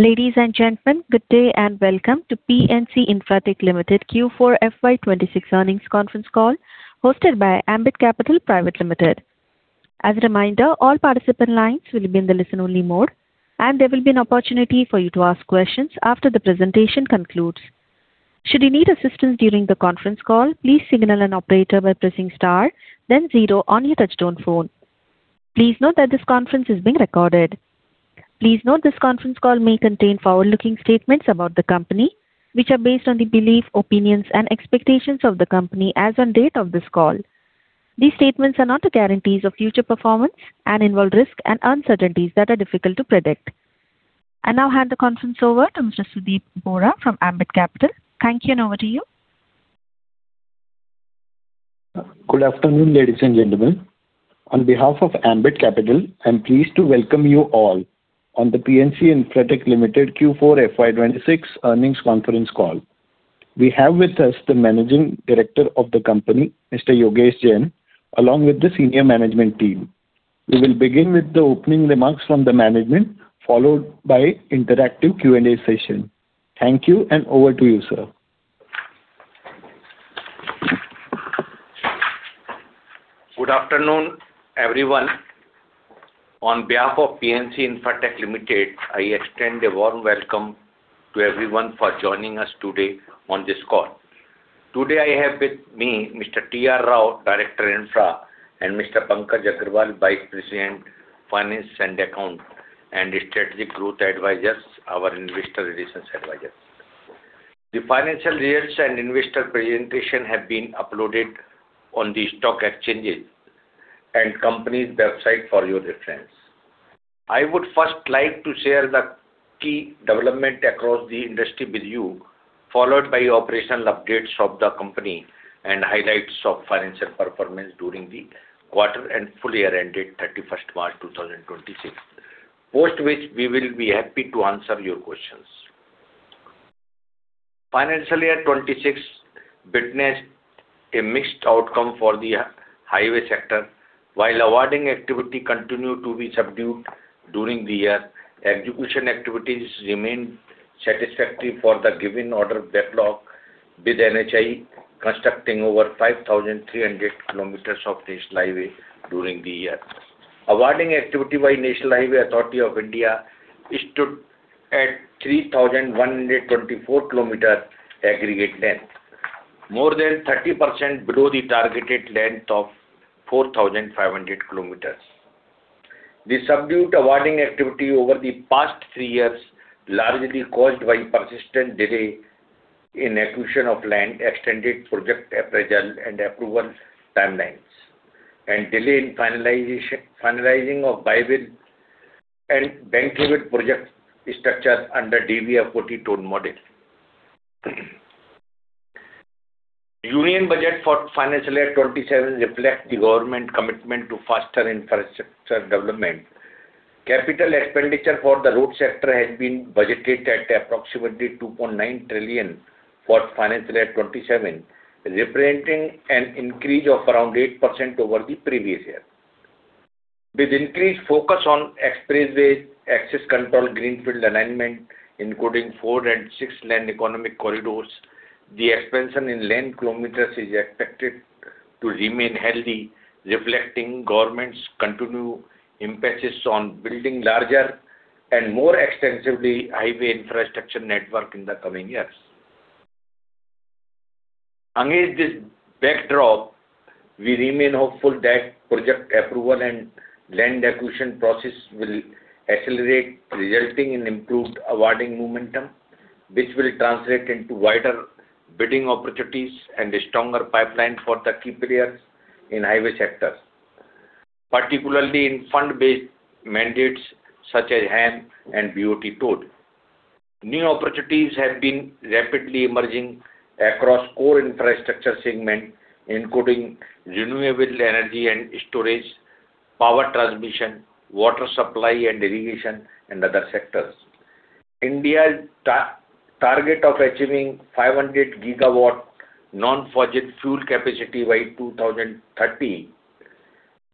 Ladies and gentlemen, good day and welcome to PNC Infratech Limited Q4 FY 2026 earnings conference call hosted by Ambit Capital Private Limited. Please note this conference call may contain forward-looking statements about the company, which are based on the belief, opinions, and expectations of the company as on date of this call. These statements are not guarantees of future performance and involve risk and uncertainties that are difficult to predict. I now hand the conference over to Mr. Sudeep Bora from Ambit Capital. Thank you, and over to you. Good afternoon, ladies and gentlemen. On behalf of Ambit Capital, I'm pleased to welcome you all on the PNC Infratech Limited Q4 FY 2026 earnings conference call. We have with us the Managing Director of the company, Mr. Yogesh Kumar Jain, along with the senior management team. We will begin with the opening remarks from the management, followed by an interactive Q&A session. Thank you, over to you, sir. Good afternoon, everyone. On behalf of PNC Infratech Limited, I extend a warm welcome to everyone for joining us today on this call. Today I have with me Mr. T.R. Rao, Director of Infra, and Mr. Pankaj Agarwal, Vice President, Finance and Accounts, and Strategic Growth Advisors, our investor relations advisors. The financial results and investor presentation have been uploaded on the stock exchanges and company's website for your reference. I would first like to share the key developments across the industry with you, followed by operational updates of the company and highlights of financial performance during the quarter and full-year ended 31st March 2026, post which we will be happy to answer your questions. Financial year 2026 witnessed a mixed outcome for the highway sector. While awarding activity continued to be subdued during the year, execution activities remained satisfactory for the given order backlog with NHAI constructing over 5,300 kilometers of national highway during the year. Awarding activity by National Highways Authority of India stood at 3,124 kilometers aggregate length, more than 30% below the targeted length of 4,500 kilometers. The subdued awarding activity over the past three years largely caused by persistent delay in acquisition of land extended project appraisal and approval timelines, and delay in finalizing of viability and bankability project structure under DBFOT toll model. Union budget for financial year 2027 reflects the government commitment to faster infrastructure development. Capital expenditure for the road sector has been budgeted at approximately 2.9 trillion for financial year 2027, representing an increase of around 8% over the previous year. With increased focus on expressway access control greenfield alignment, including four and six land economic corridors, the expansion in land kilometers is expected to remain healthy, reflecting government's continued emphasis on building larger and more extensively highway infrastructure network in the coming years. Against this backdrop, we remain hopeful that project approval and land acquisition process will accelerate, resulting in improved awarding momentum, which will translate into wider bidding opportunities and stronger pipeline for the key players in highway sectors, particularly in fund-based mandates such as HAM and BOT toll. New opportunities have been rapidly emerging across core infrastructure segments, including renewable energy and storage, power transmission, water supply and irrigation, and other sectors. India's target of achieving 500 GW non-fossil fuel capacity by 2030,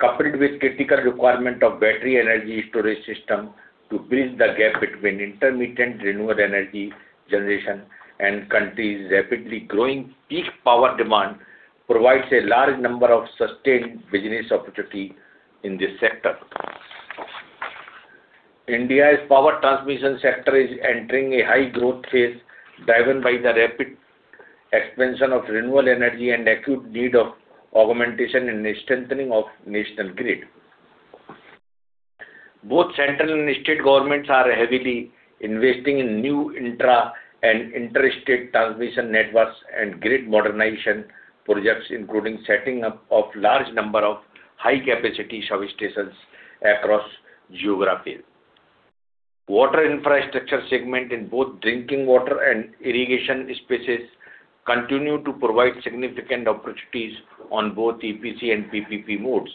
coupled with critical requirement of battery energy storage systems to bridge the gap between intermittent renewable energy generation and country's rapidly growing peak power demand, provides a large number of sustained business opportunities in this sector. India's power transmission sector is entering a high-growth phase, driven by the rapid expansion of renewable energy and the acute need for augmentation and strengthening of National Grid. Both central and state governments are heavily investing in new intra- and interstate transmission networks and grid modernization projects, including setting up a large number of high-capacity substations across geographies. Water infrastructure segments in both drinking water and irrigation spaces continue to provide significant opportunities on both EPC and PPP modes,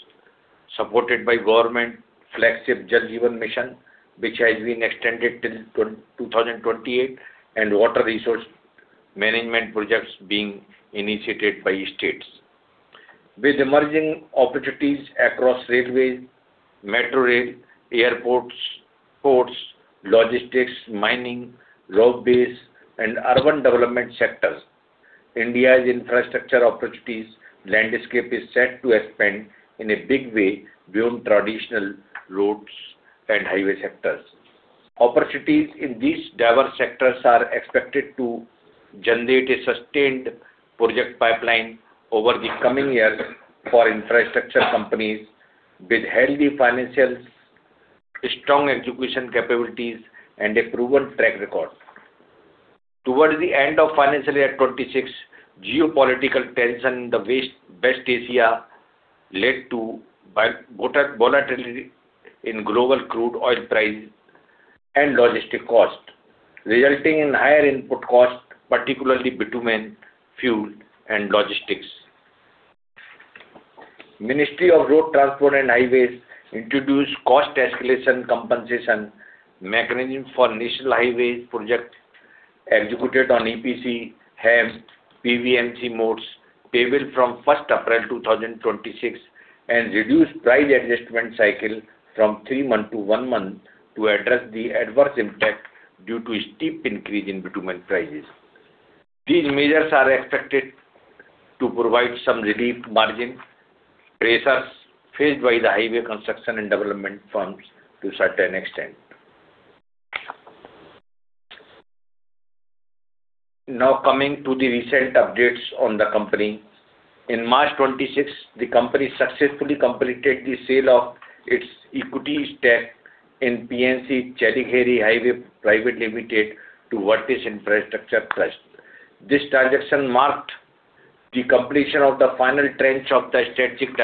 supported by government flagship Jal Jeevan Mission, which has been extended till 2028, and water resource management projects being initiated by states. With emerging opportunities across railways, metro rail, airports, ports, logistics, mining, road-based, and urban development sectors, India's infrastructure opportunities landscape is set to expand in a big way beyond traditional roads and highway sectors. Opportunities in these diverse sectors are expected to generate a sustained project pipeline over the coming years for infrastructure companies with healthy financials, strong execution capabilities, and a proven track record. Towards the end of financial year 2026, geopolitical tensions in the West Asia led to volatility in global crude oil prices and logistics costs, resulting in higher input costs, particularly bitumen, fuel, and logistics. The Ministry of Road Transport and Highways introduced cost escalation compensation mechanisms for national highways projects executed on EPC, HAM, PBMC modes, table from 1st April 2026, and reduced price adjustment cycle from three months to one month to address the adverse impact due to a steep increase in bitumen prices. These measures are expected to provide some relief margin pressures faced by the highway construction and development firms to a certain extent. Now coming to the recent updates on the company: on March 26, the company successfully completed the sale of its equity stack in PNC Chitradurga Highways Pvt Ltd to Highways Infrastructure Trust. This transaction marked the completion of the final tranche of the strategic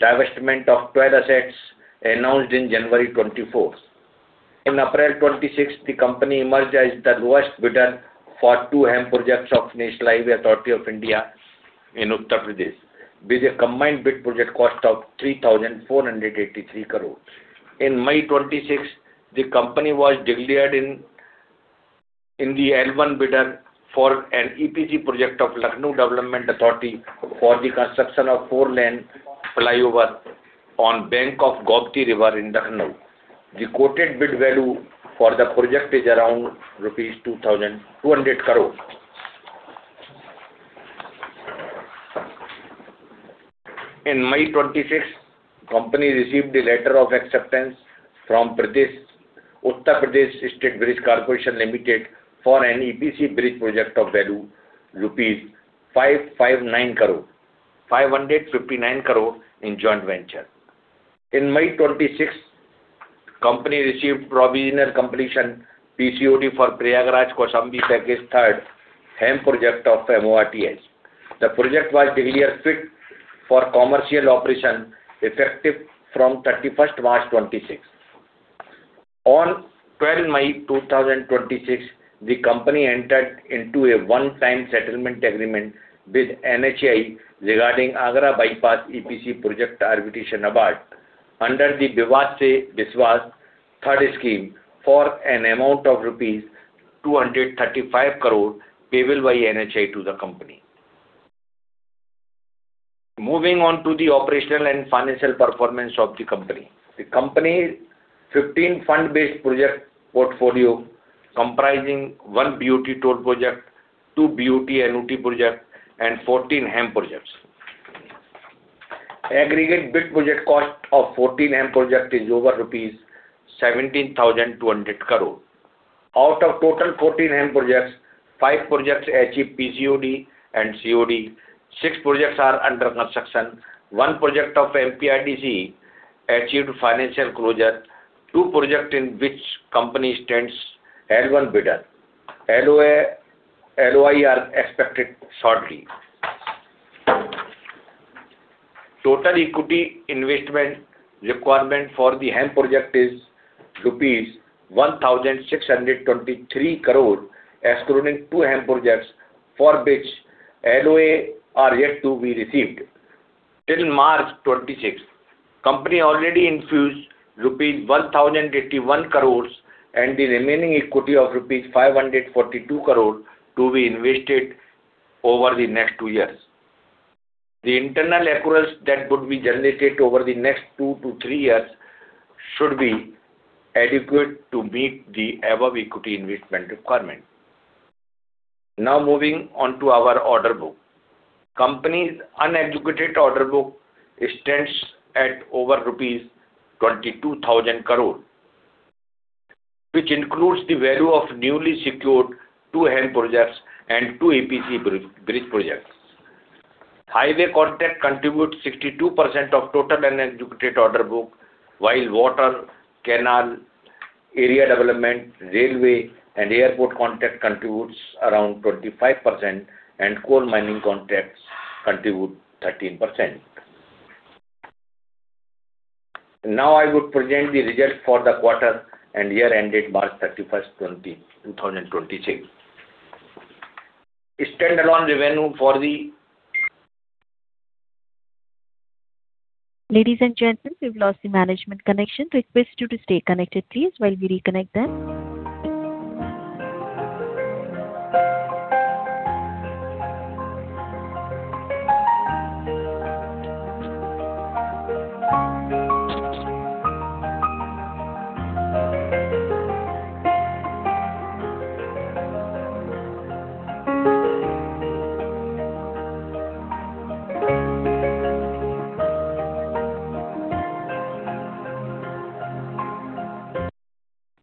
divestment of 12 assets announced on January 24. On April 26, the company emerged as the lowest bidder for two HAM projects of National Highways Authority of India in Uttar Pradesh, with a combined bid project cost of 3,483 crores. On May 26, the company was declared in the L1 bidder for an EPC project of Lucknow Development Authority for the construction of 4-lane flyover on the Bank of Gomti River in Lucknow. The quoted bid value for the project is around rupees 2,200 crores. On May 26, the company received a letter of acceptance from Uttar Pradesh State Bridge Corporation Limited for an EPC bridge project of value 559 crore in joint venture. On May 26, the company received provisional completion PCOD for Prayagraj-Kaushambi Package III HAM project of MoRTH. The project was declared fit for commercial operation effective from 31st March, 2026. On May 12, 2026, the company entered into a one-time settlement agreement with NHAI regarding Agra Bypass EPC project arbitration award under the Vivad Se Vishwas II scheme for an amount of INR 235 crore payable by NHAI to the company. Moving on to the operational and financial performance of the company: the company's 15 fund-based project portfolios comprising one BOT toll project, two BOT annuity projects, and 14 HAM projects. Aggregate bid project cost of 14 HAM projects is over 17,200 crore rupees. Out of total 14 HAM projects, five projects achieved PCOD and COD, six projects are under construction, one project of MPRDC achieved financial closure, and two projects in which the company stands L1 bidder. LOI are expected shortly. Total equity investment requirement for the HAM project is rupees 1,623 crores, excluding two HAM projects for which LOI are yet to be received. Till March 26, the company already infused INR 1,081 crores and the remaining equity of INR 542 crores to be invested over the next two years. The internal accruals that would be generated over the next two to three years should be adequate to meet the above equity investment requirement. Now moving on to our order book. Company's unexecuted order book stands at over rupees 22,000 crores, which includes the value of newly secured two HAM projects and two EPC bridge projects. Highway contracts contribute 62% of total unexecuted order book, while water, canal area development, railway, and airport contracts contribute around 25%, and coal mining contracts contribute 13%. I would present the results for the quarter and year ended March 31st, 2026. Standalone revenue for the- Ladies and gentlemen, we've lost the management connection. Request you to stay connected, please, while we reconnect then.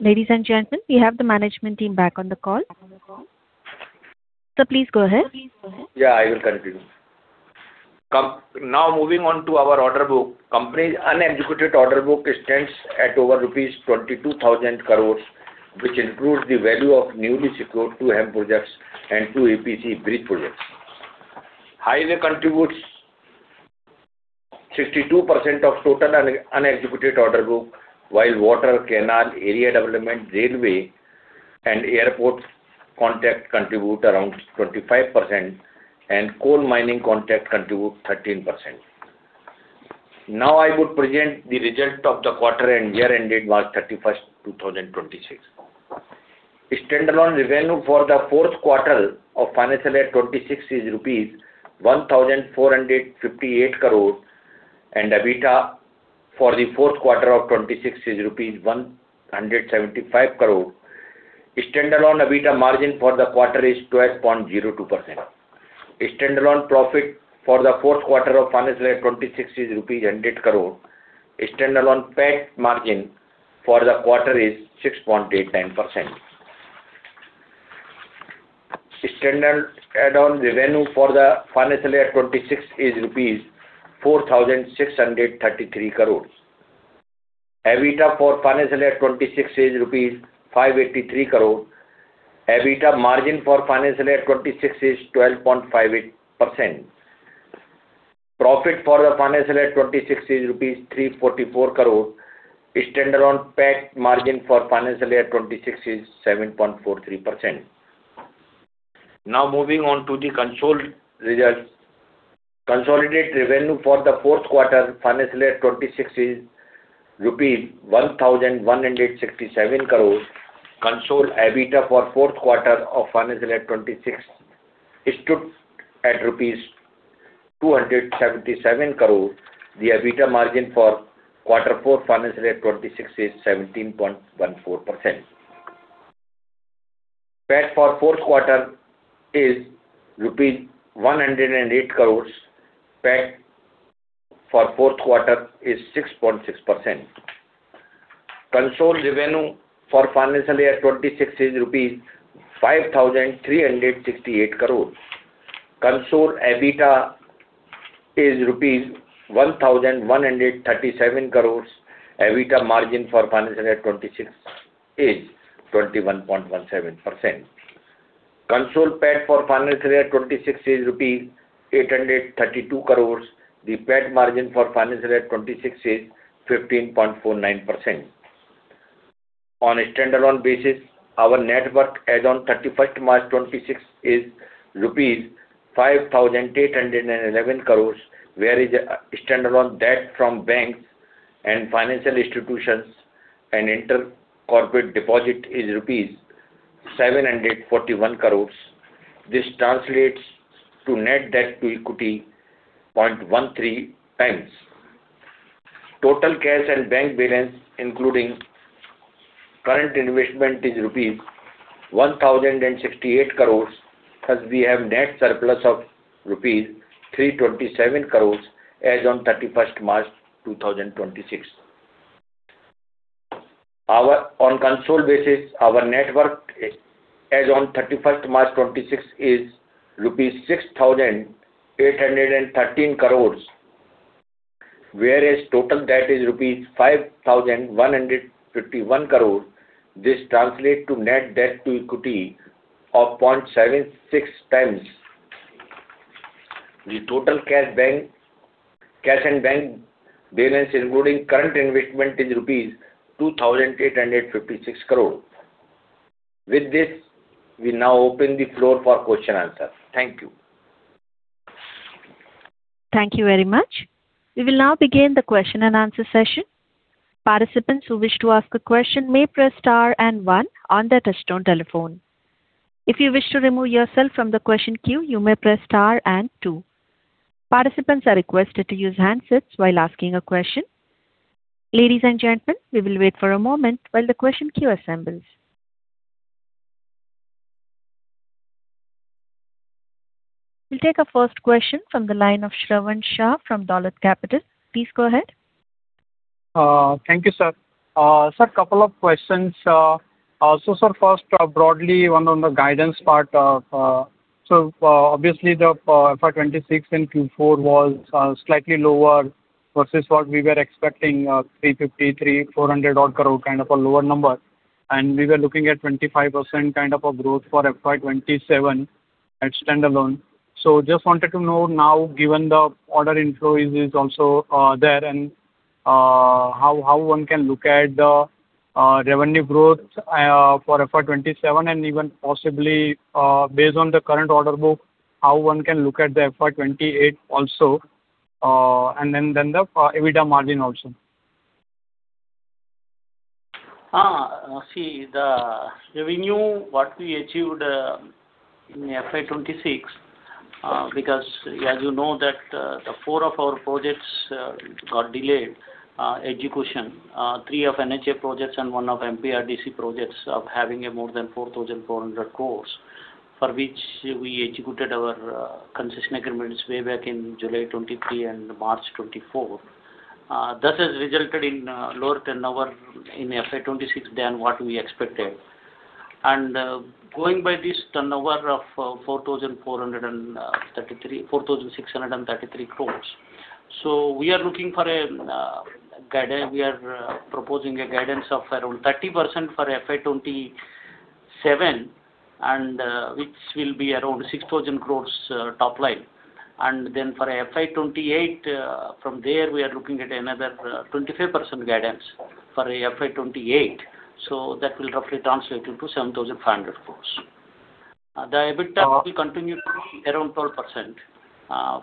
Ladies and gentlemen, we have the management team back on the call. Please go ahead. I will continue. Moving on to our order book. The company's unexecuted order book stands at over rupees 22,000 crores, which includes the value of newly secured two HAM projects and two EPC bridge projects. Highway contributes 62% of total unexecuted order book, while water, canal area development, railway, and airport contracts contribute around 25%, and coal mining contracts contribute 13%. I would present the results of the quarter and year ended March 31st, 2026. Standalone revenue for the Q4 of financial year 2026 is 1,458 crores, and EBITDA for the Q4 of 2026 is 175 crores. Standalone EBITDA margin for the quarter is 12.02%. Standalone profit for the Q4 of financial year 2026 is rupees 100 crores. Standalone PAT margin for the quarter is 6.89%. Standalone revenue for the financial year 2026 is INR 4,633 crores. EBITDA for financial year 2026 is INR 583 crores. EBITDA margin for financial year 2026 is 12.58%. Profit for the financial year 2026 is INR 344 crores. Standalone PAT margin for financial year 2026 is 7.43%. Now moving on to the consolidated revenue for the Q4 of financial year 2026 is INR 1,167 crores. Consolidated EBITDA for the Q4 of financial year 2026 stood at rupees 277 crores. The EBITDA margin for Q4 of financial year 2026 is 17.14%. PAT for the Q4 is INR 108 crores. PAT for the Q4 is 6.6%. Consolidated revenue for financial year 2026 is rupees 5,368 crores. Consolidated EBITDA is rupees 1,137 crores. EBITDA margin for financial year 2026 is 21.17%. Consolidated PAT for financial year 2026 is rupees 832 crores. The PAT margin for financial year 2026 is 15.49%. On a standalone basis, our net worth as of 31st March 2026 is rupees 5,811 crores, whereas standalone debt from banks and financial institutions and intercorporate deposits is rupees 741 crores. This translates to net debt to equity 0.13x. Total cash and bank balance, including current investment, is 1,068 crores, as we have a net surplus of 327 crores rupees as of 31st March 2026. On a consolidated basis, our net worth as of 31st March 2026 is 6,813 crores rupees, whereas total debt is 5,151 crores rupees. This translates to net debt to equity of 0.76x. The total cash and bank balance, including current investment, is rupees 2,856 crores. With this, we now open the floor for questions-and-answers. Thank you. Thank you very much. We will now begin the question and answer session. Participants who wish to ask a question may press star and one on their touchstone telephone. If you wish to remove yourself from the question queue, you may press star and two. Participants are requested to use handsets while asking a question. Ladies and gentlemen, we will wait for a moment while the question queue assembles. We will take our first question from the line of Shravan Shah from Dolat Capital. Please go ahead. Thank you, sir. Sir, a couple of questions. Sir, first, broadly, on the guidance part, obviously, the FY 2026 and Q4 were slightly lower versus what we were expecting, 353 crore-400 crore-odd, kind of a lower number. We were looking at 25% kind of a growth for FY 2027 at standalone. Just wanted to know now, given the order inflow is also there, and how one can look at the revenue growth for FY 2027, and even possibly, based on the current order book, how one can look at the FY 2028 also, and then the EBITDA margin also. The revenue, what we achieved in FY 2026, because as you know that four of our projects got delayed execution, three of NHAI projects and one of MPRDC projects of having more than 4,400 crore, for which we executed our concession agreements way back in July 2023 and March 2024, thus has resulted in lower turnover in FY 2026 than what we expected. Going by this turnover of 4,633 crore, we are looking for a guidance. We are proposing a guidance of around 30% for FY 2027, which will be around 6,000 crore topline. For FY 2028, from there, we are looking at another 25% guidance for FY 2028, that will roughly translate into 7,500 crore. The EBITDA will continue to be around 12%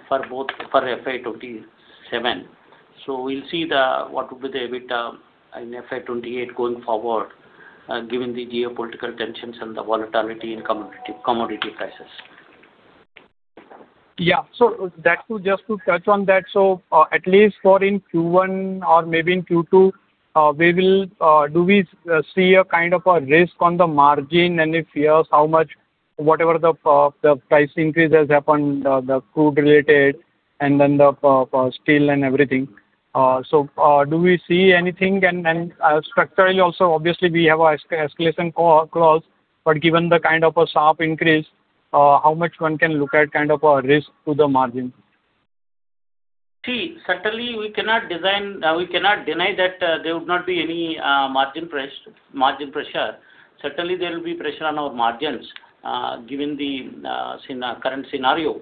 for FY 2027. We'll see what will be the EBITDA in FY 2028 going forward, given the geopolitical tensions and the volatility in commodity prices. Yeah. Just to touch on that, at least for in Q1 or maybe in Q2, do we see a kind of a risk on the margin, and if yes, how much, whatever the price increase has happened, the crude-related, and then the steel and everything? Do we see anything? Structurally also, obviously, we have an escalation clause, but given the kind of a sharp increase, how much one can look at kind of a risk to the margin? Certainly, we cannot deny that there would not be any margin pressure. Certainly, there will be pressure on our margins given the current scenario.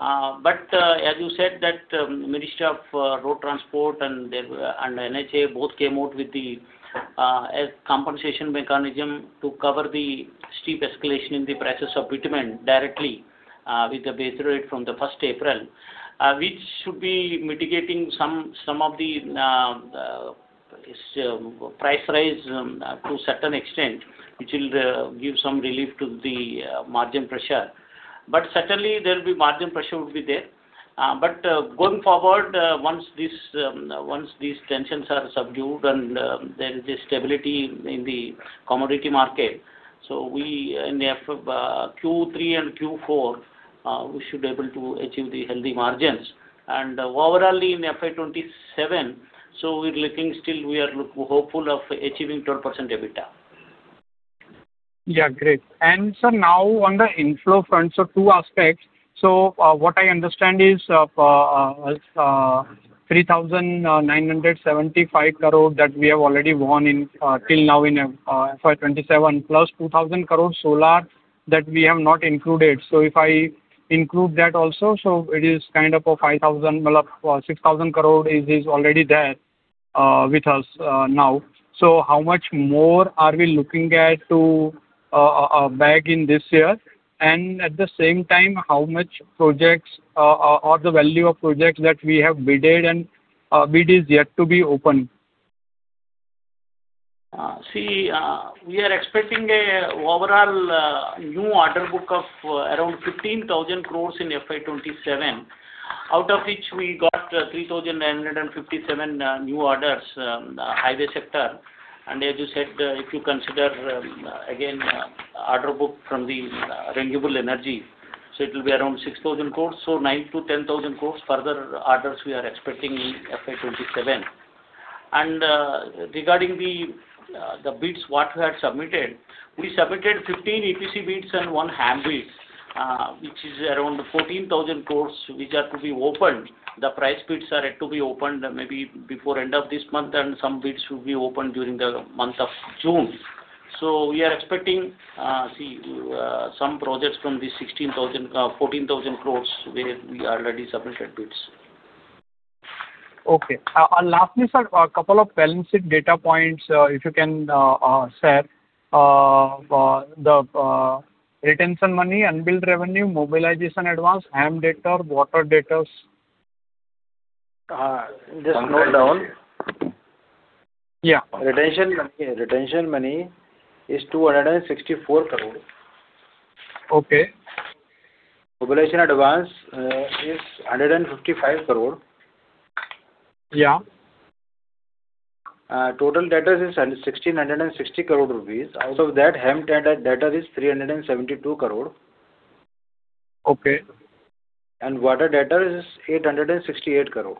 As you said, that Ministry of Road Transport and NHAI both came out with a compensation mechanism to cover the steep escalation in the prices of bitumen directly with the base rate from the 1st April, which should be mitigating some of the price rise to a certain extent, which will give some relief to the margin pressure. Certainly, there will be margin pressure would be there. Going forward, once these tensions are subdued and there is a stability in the commodity market, in Q3 and Q4, we should be able to achieve the healthy margins. Overall, in FY 2027, we're looking still, we are hopeful of achieving 12% EBITDA. Yeah, great. Sir, now on the inflow front, two aspects. What I understand is 3,975 crore that we have already won till now in FY 2027, plus 2,000 crore solar that we have not included. If I include that also, it is kind of a 5,000 crore, well, 6,000 crore is already there with us now. How much more are we looking at to bag in this year? At the same time, how much projects or the value of projects that we have bidded and bid is yet to be opened? See, we are expecting an overall new order book of around 15,000 crore in FY 2027, out of which we got 3,957 new orders, highway sector. As you said, if you consider again order book from the renewable energy, so it will be around 6,000 crore. 9,000-10,000 crore further orders we are expecting in FY 2027. Regarding the bids, what we had submitted, we submitted 15 EPC bids and one HAM bid, which is around 14,000 crore, which are to be opened. The price bids are to be opened maybe before the end of this month, and some bids will be opened during the month of June. We are expecting, see, some projects from the 14,000 crore where we already submitted bids. Okay. Lastly, sir, a couple of balancing data points, if you can, sir. The retention money, unbilled revenue, mobilization advance, HAM data, water data. Just note down. Yeah. Retention money is 264 crores. Okay. Mobilization advance is 155 crores. Yeah. Total debtors is 1,660 crores rupees. Out of that, HAM debtors is 372 crores. Okay. And water debtors is 868 crores.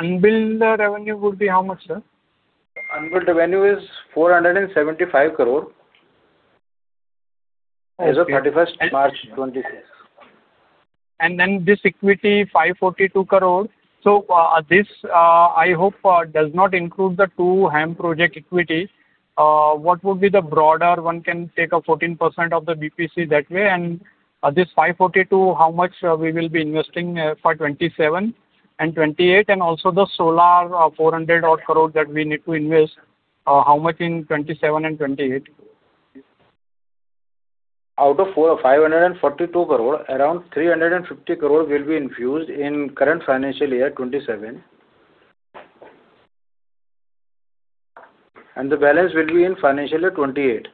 Unbilled revenue would be how much, sir? Unbilled revenue is INR 475 crores as of 31st March 2026. This equity, 542 crore. This, I hope, does not include the two HAM project equity. What would be the broader one can take a 14% of the BPC that way? This 542 crore, how much we will be investing for 2027 and 2028, and also the solar 400 crore-odd that we need to invest, how much in 2027 and 2028? Out of 542 crore, around 350 crore will be infused in current FY 2027, and the balance will be in FY 2028.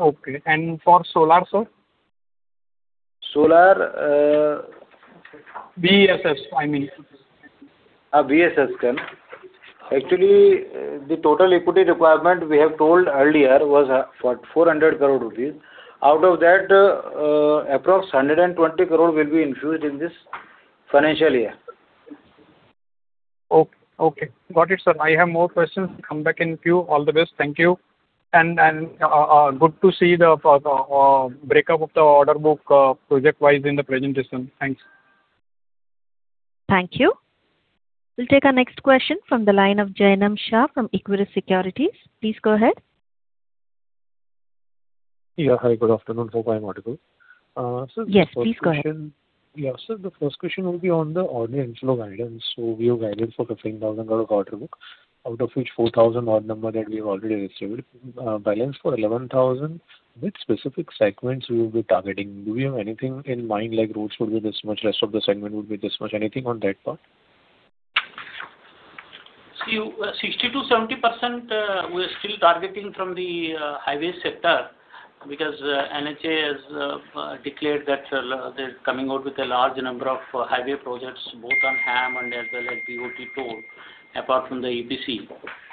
Okay. For solar, sir? Solar? BESS, I mean. BESS, can? Actually, the total equity requirement we have told earlier was for 400 crore rupees. Out of that, approximately 120 crore will be infused in this financial year. Okay. Got it, sir. I have more questions. Come back in queue. All the best. Thank you. Good to see the breakup of the order book project-wise in the presentation. Thanks. Thank you. We'll take our next question from the line of Jainam Shah from Equirus Securities. Please go ahead. Yeah. Hi. Good afternoon. For my article. Sir. Yes. Please go ahead. Yeah. Sir, the first question will be on the order inflow guidance. We have guided for 15,000-odd order book, out of which 4,000-odd number that we have already received, balance for 11,000. With specific segments we will be targeting, do we have anything in mind, like roads would be this much, rest of the segment would be this much? Anything on that part? 60%-70%, we are still targeting from the highway sector because NHAI has declared that they're coming out with a large number of highway projects, both on HAM and as well as BOT toll, apart from the EPC.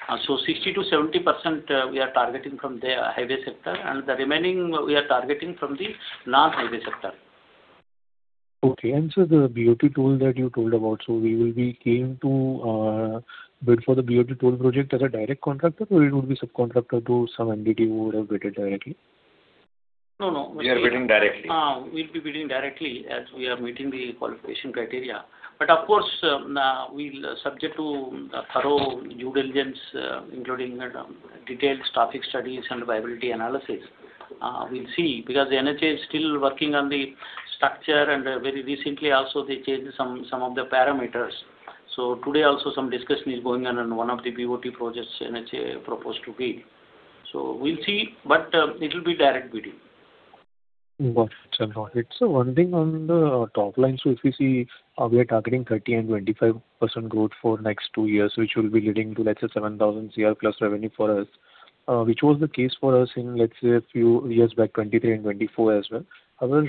60%-70%, we are targeting from the highway sector, and the remaining, we are targeting from the non-highway sector. Okay. Sir, the BOT toll that you told about, we will be keen to bid for the BOT toll project as a direct contractor, or it would be subcontractor to some entity who would have bid it directly? No, no. We are bidding directly. We'll be bidding directly as we are meeting the qualification criteria. Of course, we'll be subject to thorough due diligence, including detailed traffic studies and viability analysis. We'll see because NHAI is still working on the structure, and very recently also, they changed some of the parameters. Today, also, some discussion is going on on one of the BOT projects NHAI proposed to bid. We'll see, but it will be direct bidding. Got it. Got it. Sir, one thing on the toplines, if we see we are targeting 30% and 25% growth for next two years, which will be leading to, let's say, 7,000 crore plus revenue for us, which was the case for us in, let's say, a few years back, 2023 and 2024 as well. However,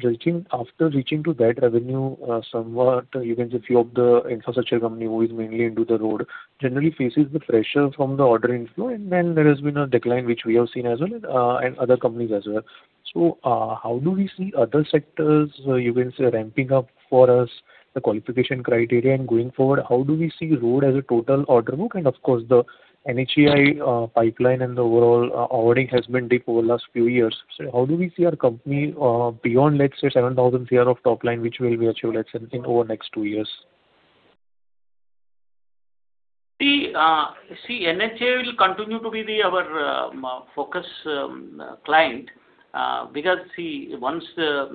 after reaching to that revenue, somewhat, you can say, a few of the infrastructure companies who is mainly into the road generally faces the pressure from the order inflow, and then there has been a decline, which we have seen as well, and other companies as well. How do we see other sectors, you can say, ramping up for us the qualification criteria and going forward? How do we see road as a total order book? Of course, the NHAI pipeline and the overall awarding has been deep over the last few years. How do we see our company beyond, let's say, 7,000 crore of topline, which will be achieved, let's say, in over the next two years? See, NHAI will continue to be our focus client because, see, once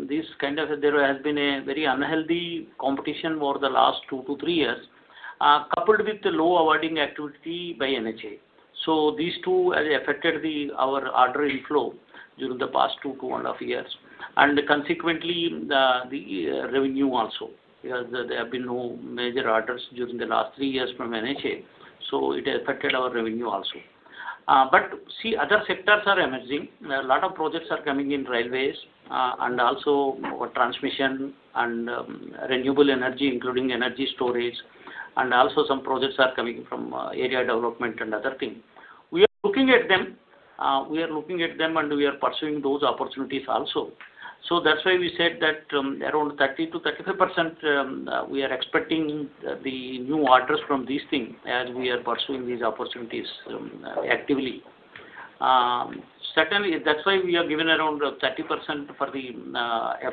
this kind of there has been a very unhealthy competition for the last two to three years, coupled with the low awarding activity by NHAI. These two have affected our order inflow during the past two to 2.5 years, and consequently, the revenue also because there have been no major orders during the last three years from NHAI, so it affected our revenue also. See, other sectors are emerging. A lot of projects are coming in railways and also transmission and renewable energy, including energy storage, and also some projects are coming from area development and other things. We are looking at them. We are looking at them, and we are pursuing those opportunities also. That's why we said that around 30%-35%, we are expecting the new orders from these things as we are pursuing these opportunities actively. Certainly, that's why we are giving around 30% for the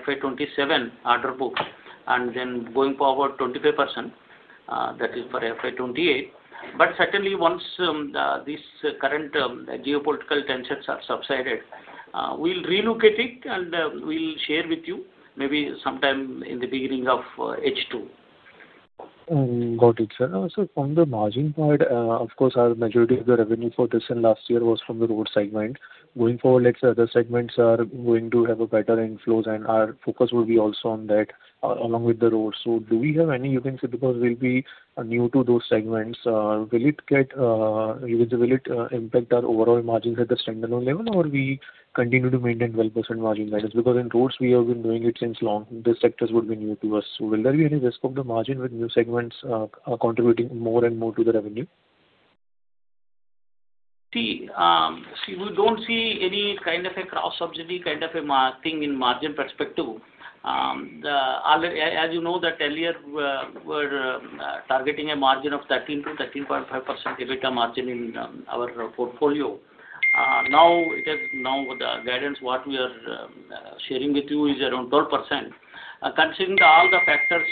FY 2027 order book, going forward, 25%, that is for FY 2028. Certainly, once these current geopolitical tensions are subsided, we'll relocate it, and we'll share with you maybe sometime in the beginning of H2. Got it, sir. Sir, from the margin part, of course, our majority of the revenue for this and last year was from the road segment. Going forward, let's say, other segments are going to have better inflows, and our focus will be also on that along with the roads. Do we have any, you can say, because we'll be new to those segments, you can say, will it impact our overall margins at the standalone level, or will we continue to maintain 12% margin guidance? Because in roads, we have been doing it since long. These sectors would be new to us. Will there be any risk of the margin with new segments contributing more and more to the revenue? See, we do not see any kind of a cross-subsidy kind of a thing in margin perspective. As you know, that earlier, we were targeting a margin of 13%-13.5% EBITDA margin in our portfolio. Now, with the guidance, what we are sharing with you is around 12%. Considering all the factors.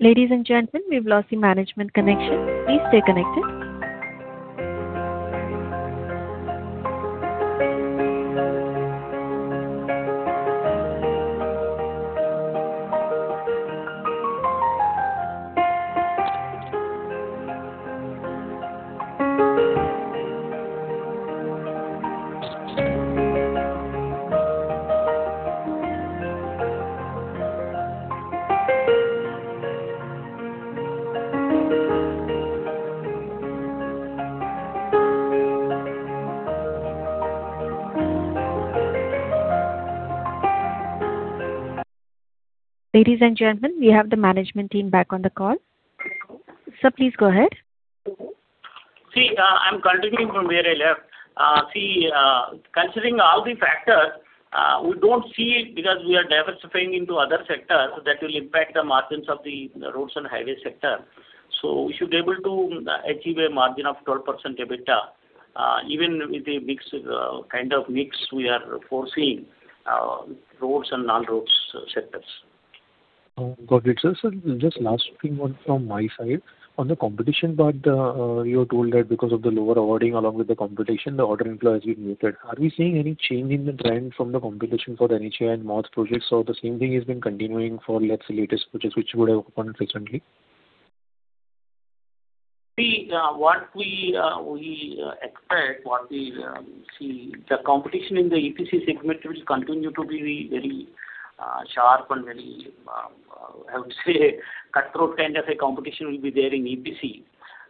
Ladies and gentlemen, we've lost the management connection. Please stay connected. Ladies and gentlemen, we have the management team back on the call. Sir, please go ahead. See, I'm continuing from where I left. See, considering all the factors, we don't see because we are diversifying into other sectors that will impact the margins of the roads and highway sector. So we should be able to achieve a margin of 12% EBITDA even with the kind of mix we are foreseeing with roads and non-roads sectors. Got it, sir. Sir, just last thing one from my side. On the competition part, you were told that because of the lower awarding along with the competition, the order inflow has been muted. Are we seeing any change in the trend from the competition for the NHAI and MoRTH projects, or the same thing has been continuing for, let's say, latest projects which would have occurred recently? What we expect, what we see, the competition in the EPC segment will continue to be very sharp and very, I would say, cutthroat kind of a competition will be there in EPC.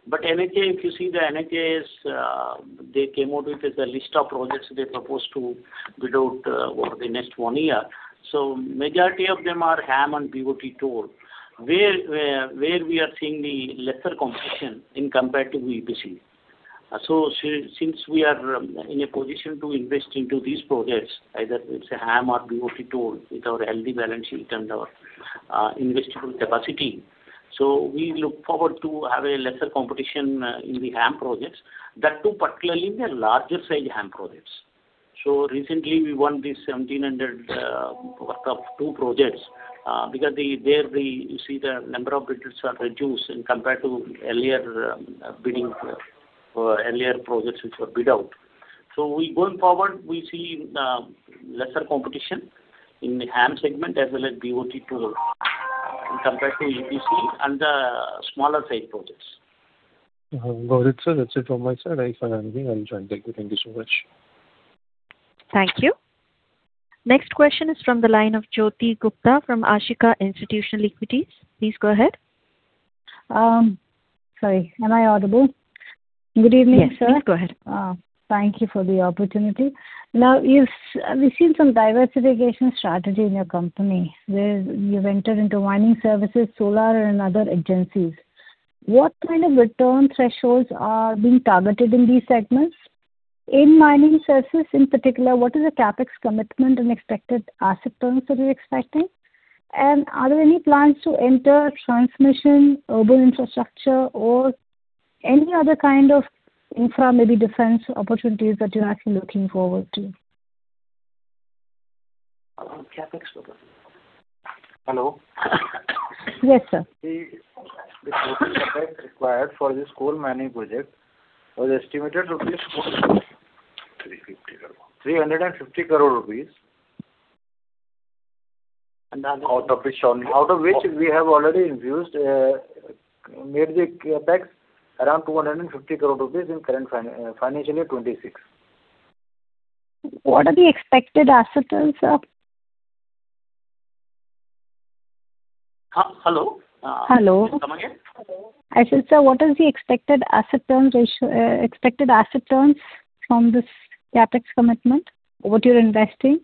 NHAI, if you see the NHAI, they came out with a list of projects they proposed to bid out over the next one year. Majority of them are HAM and BOT toll, where we are seeing the lesser competition in comparison to EPC. Since we are in a position to invest into these projects, either it's HAM or BOT toll with our healthy balance sheet and our investible capacity, we look forward to having lesser competition in the HAM projects. That too, particularly in the larger-sized HAM projects. Recently, we won this 1,700 worth of two projects because there, you see, the number of bidders are reduced in comparison to earlier bidding projects which were bid out. Going forward, we see lesser competition in the HAM segment as well as BOT toll in comparison to EPC and the smaller-sized projects. Got it, sir. That's it from my side. If I have anything, I'll join back. Thank you so much. Thank you. Next question is from the line of Jyoti Gupta from Ashika Institutional Equities. Please go ahead. Sorry. Am I audible? Good evening, sir. Yes. Please go ahead. Thank you for the opportunity. We've seen some diversification strategy in your company. You've entered into mining services, solar, and other agencies. What kind of return thresholds are being targeted in these segments? In mining services in particular, what is the CAPEX commitment and expected asset turns that you're expecting? Are there any plans to enter transmission, urban infrastructure, or any other kind of infra, maybe defense opportunities that you're actually looking forward to? CAPEX. Hello? Yes, sir. The total CAPEX required for this coal mining project was estimated to be INR 350 crores. Out of which we have already made the CAPEX around 250 crores rupees in current FY 2026. What are the expected asset turns, sir? Hello? Hello. Come again. I said, sir, what is the expected asset turns from this CAPEX commitment? What you're investing?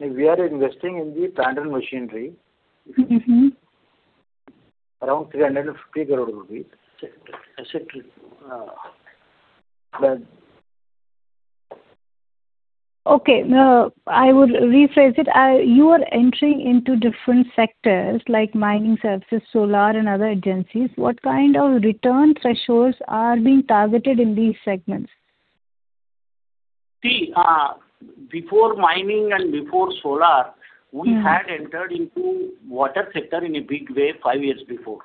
We are investing in the plant and machinery, if you see, around INR 350 crores. [inaudible] Okay. I would rephrase it. You are entering into different sectors, like mining services, solar, and other agencies. What kind of return thresholds are being targeted in these segments? Before mining and before solar, we had entered into water sector in a big way five years before.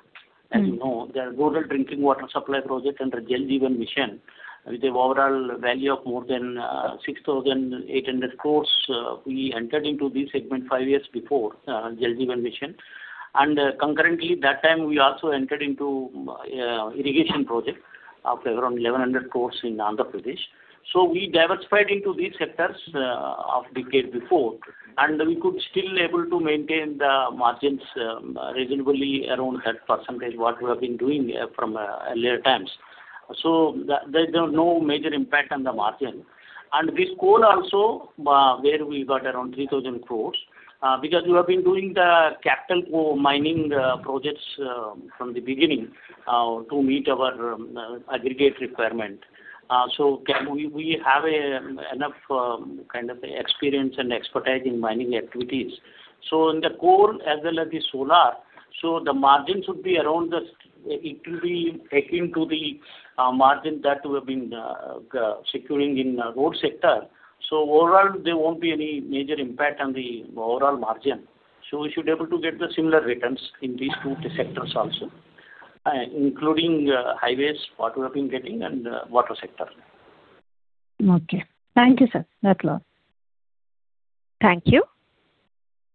As you know, the rural drinking water supply project and the Jal Jeevan Mission with the overall value of more than 6,800 crore, we entered into this segment five years before, Jal Jeevan Mission. Concurrently, that time, we also entered into irrigation project of around 1,100 crore in Andhra Pradesh. We diversified into these sectors a decade before, and we could still be able to maintain the margins reasonably around that percentage, what we have been doing from earlier times. There's no major impact on the margin. This coal also, where we got around 3,000 crore because we have been doing the capital mining projects from the beginning to meet our aggregate requirement. We have enough kind of experience and expertise in mining activities. In the coal as well as the solar, the margins would be akin to the margin that we have been securing in the road sector. Overall, there won't be any major impact on the overall margin. We should be able to get similar returns in these two sectors also, including highways, what we have been getting, and water sector. Okay. Thank you, sir. That's all. Thank you.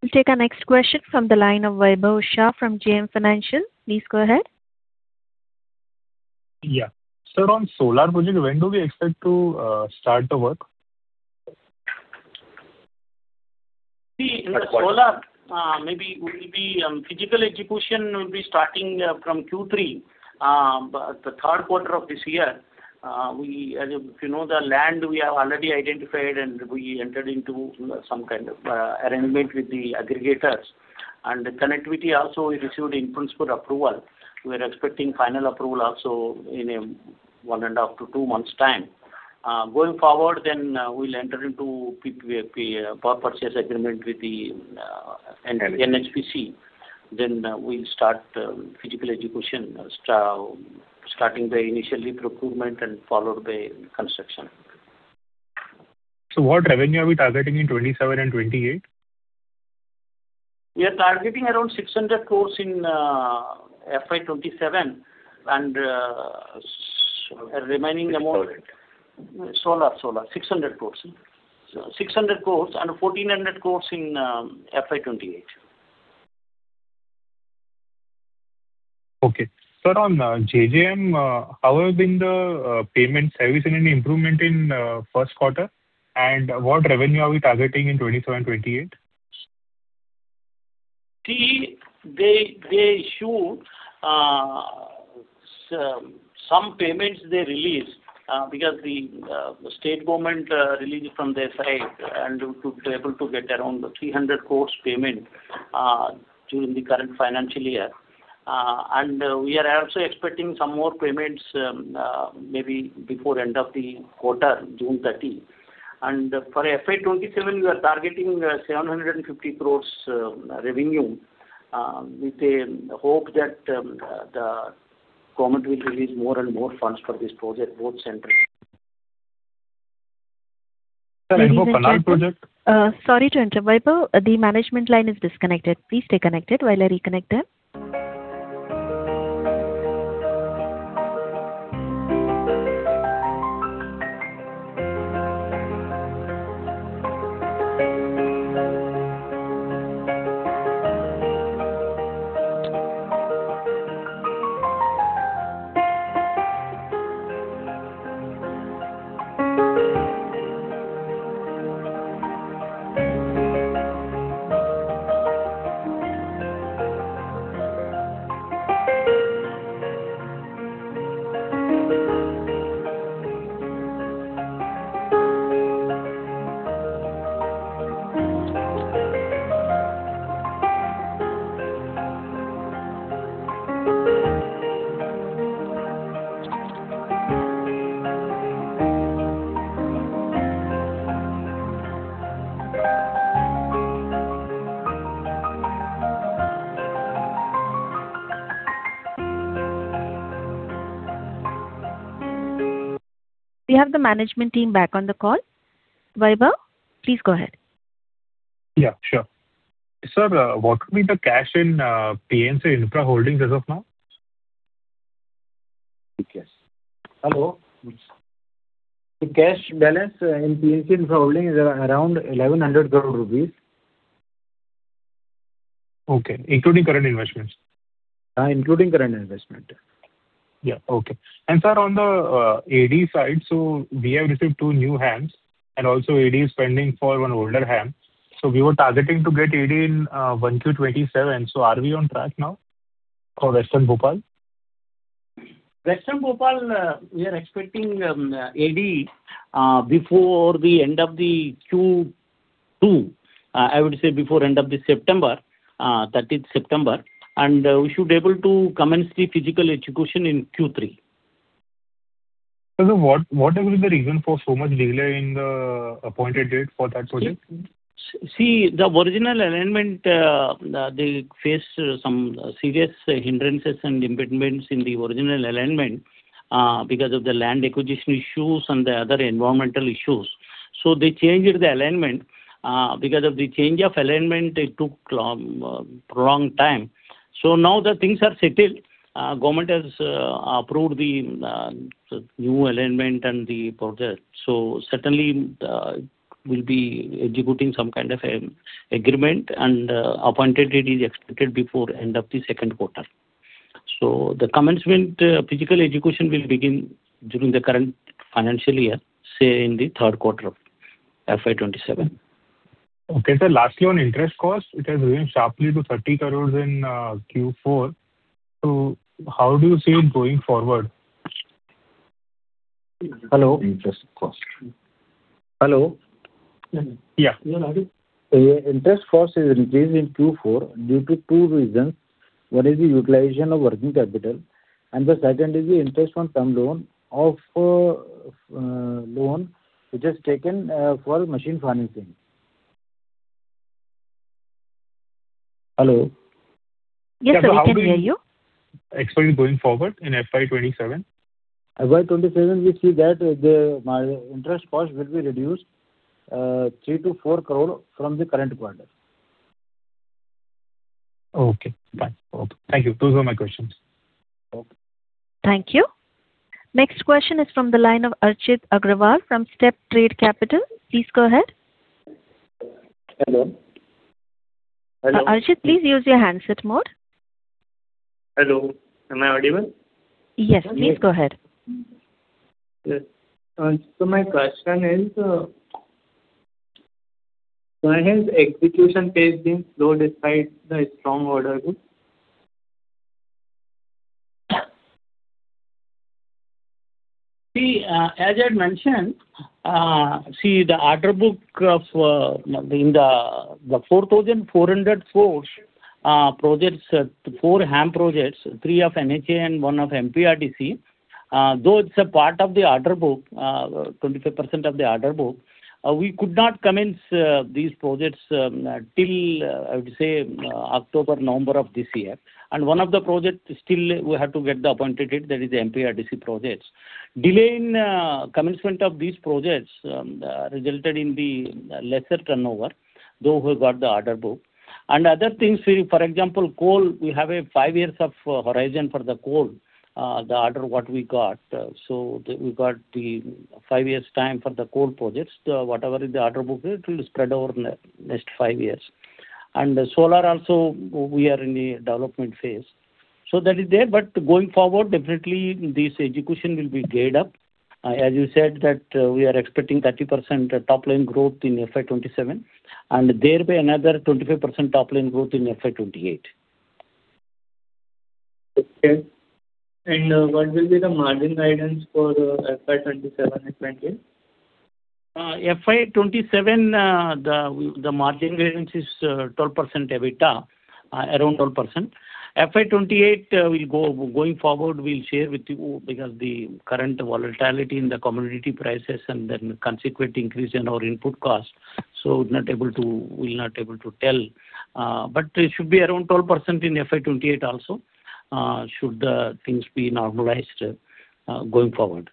We'll take our next question from the line of Vaibhav Shah from JM Financial. Please go ahead. Yeah. Sir, on solar project, when do we expect to start the work? See, maybe physical execution will be starting from Q3, the Q3 of this year. If you know, the land we have already identified, and we entered into some kind of arrangement with the aggregators. Connectivity also, we received in principle approval. We are expecting final approval also in one and a half to two months' time. Going forward, we'll enter into power purchase agreement with the NHPC. We'll start physical execution, starting by initially procurement and followed by construction. What revenue are we targeting in 2027 and 2028? We are targeting around INR 600 crore in FY 2027 and remaining amount. Solar? Solar, solar. 600 crores. 600 crores and 1,400 crores in FY 2028. Okay. Sir, on JJM, how have been the payment service and any improvement in Q1? What revenue are we targeting in 2027 and 2028? They issued some payments they released because the state government released it from their side and to be able to get around the 300 crore payment during the current financial year. We are also expecting some more payments maybe before the end of the quarter, June 30. For FY 2027, we are targeting 750 crore revenue with the hope that the government will release more and more funds for this project, both central. Sir, any more final project? Sorry to interrupt, Vaibhav. The management line is disconnected. Please stay connected while I reconnect them. We have the management team back on the call. Vaibhav, please go ahead. Yeah, sure. Sir, what will be the cash in PNC Infra Holdings as of now? Yes. Hello. The cash balance in PNC Infra Holdings is around INR 1,100 crores. Okay. Including current investments? Including current investment. Yeah. Okay. Sir, on the AD side, we have received two new HAMs, and also AD is spending for an older HAM. We were targeting to get AD in 1Q27. Are we on track now for Western Bhopal? Western Bhopal, we are expecting AD before the end of the Q2, I would say before the end of this September, 30th September. We should be able to commence physical execution in Q3. Sir, what have been the reasons for so much delay in the appointed date for that project? The original alignment, they faced some serious hindrances and impediments in the original alignment because of the land acquisition issues and the other environmental issues. They changed the alignment because of the change of alignment, it took a prolonged time. Now the things are settled. Government has approved the new alignment and the project. Certainly, we'll be executing some kind of agreement, and appointed date is expected before the end of the Q2. The commencement physical execution will begin during the current financial year, say in the Q3 of FY 2027. Okay. Sir, lastly, on interest cost, it has risen sharply to 30 crores in Q4. How do you see it going forward? Hello? Interest cost. Hello? Yeah. The interest cost is increased in Q4 due to two reasons. One is the utilization of working capital, and the second is the interest on term loan which is taken for machine financing. Hello? Yes, sir. We can hear you. Expect going forward in FY 2027? FY 2027, we see that the interest cost will be reduced 3 crores-4 crores from the current quarter. Okay. Fine. Okay. Thank you. Those are my questions. Okay. Thank you. Next question is from the line of Archit Agrawal from Steptrade Capital. Please go ahead. Hello? Hello? Archit, please use your handset mode. Hello? Am I audible? Yes. Please go ahead. [inaudible] Has execution pace been slow despite the strong order book? As I had mentioned, the order book in the 4,400 crore projects, four HAM projects, three of NHAI and one of MPRDC, though it's a part of the order book, 25% of the order book, we could not commence these projects till, I would say, October, November of this year. One of the projects still we had to get the appointed date, that is the MPRDC projects. Delay in commencement of these projects resulted in the lesser turnover, though we got the order book. Other things, for example, coal, we have a five years of horizon for the coal, the order what we got. We got the five years' time for the coal projects. Whatever the order book is, it will spread over the next five years. Solar also, we are in the development phase. That is there. Going forward, definitely, this execution will be geared up. As you said, that we are expecting 30% top-line growth in FY 2027 and thereby another 25% top-line growth in FY 2028. What will be the margin guidance for FY 2027 and FY 2028? FY 2027, the margin guidance is 12% EBITDA, around 12%. FY 2028, going forward, we'll share with you because of the current volatility in the commodity prices and consequent increase in our input cost. We'll not be able to tell. It should be around 12% in FY 2028 also, should things be normalized going forward.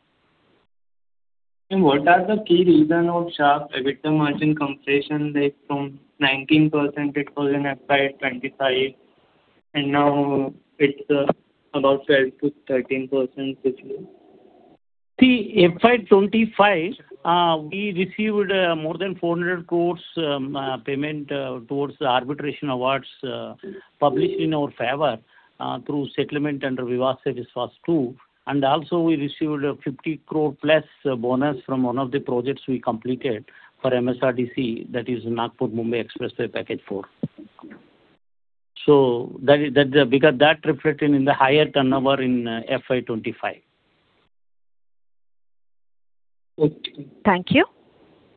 What are the key reasons of sharp EBITDA margin compression from 19% it was in FY 2025, and now it's about 12%-13%? FY 2025, we received more than 400 crore payment towards arbitration awards published in our favor through settlement under Vivad Se Vishwas II. We received an 50 crore-plus bonus from one of the projects we completed for MSRDC, that is Nagpur-Mumbai Expressway Package 4. Because that reflected in the higher turnover in FY 2025. Okay. Thank you.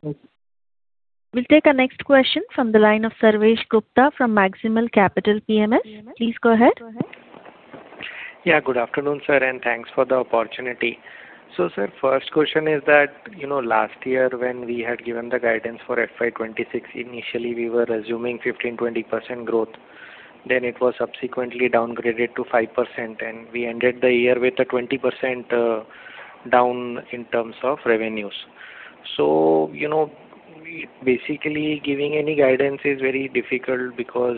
We'll take our next question from the line of Sarvesh Gupta from Maximal Capital PMS. Please go ahead. Good afternoon, sir, and thanks for the opportunity. Sir, first question is that last year, when we had given the guidance for FY 2026, initially, we were assuming 15%-20% growth. It was subsequently downgraded to 5%, and we ended the year with a 20% down in terms of revenues. Basically, giving any guidance is very difficult because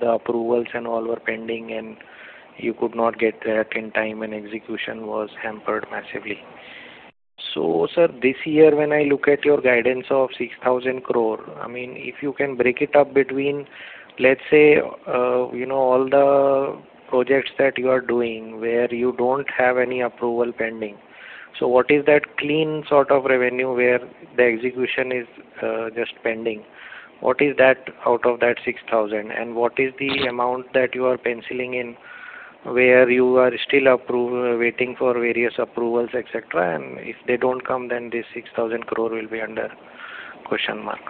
the approvals and all were pending, and you could not get there in time, and execution was hampered massively. Sir, this year, when I look at your guidance of 6,000 crore, I mean, if you can break it up between, let's say, all the projects that you are doing where you don't have any approval pending, what is that clean sort of revenue where the execution is just pending? What is that out of that 6,000? What is the amount that you are penciling in where you are still waiting for various approvals, etc.? If they don't come, then this 6,000 crore will be under question mark.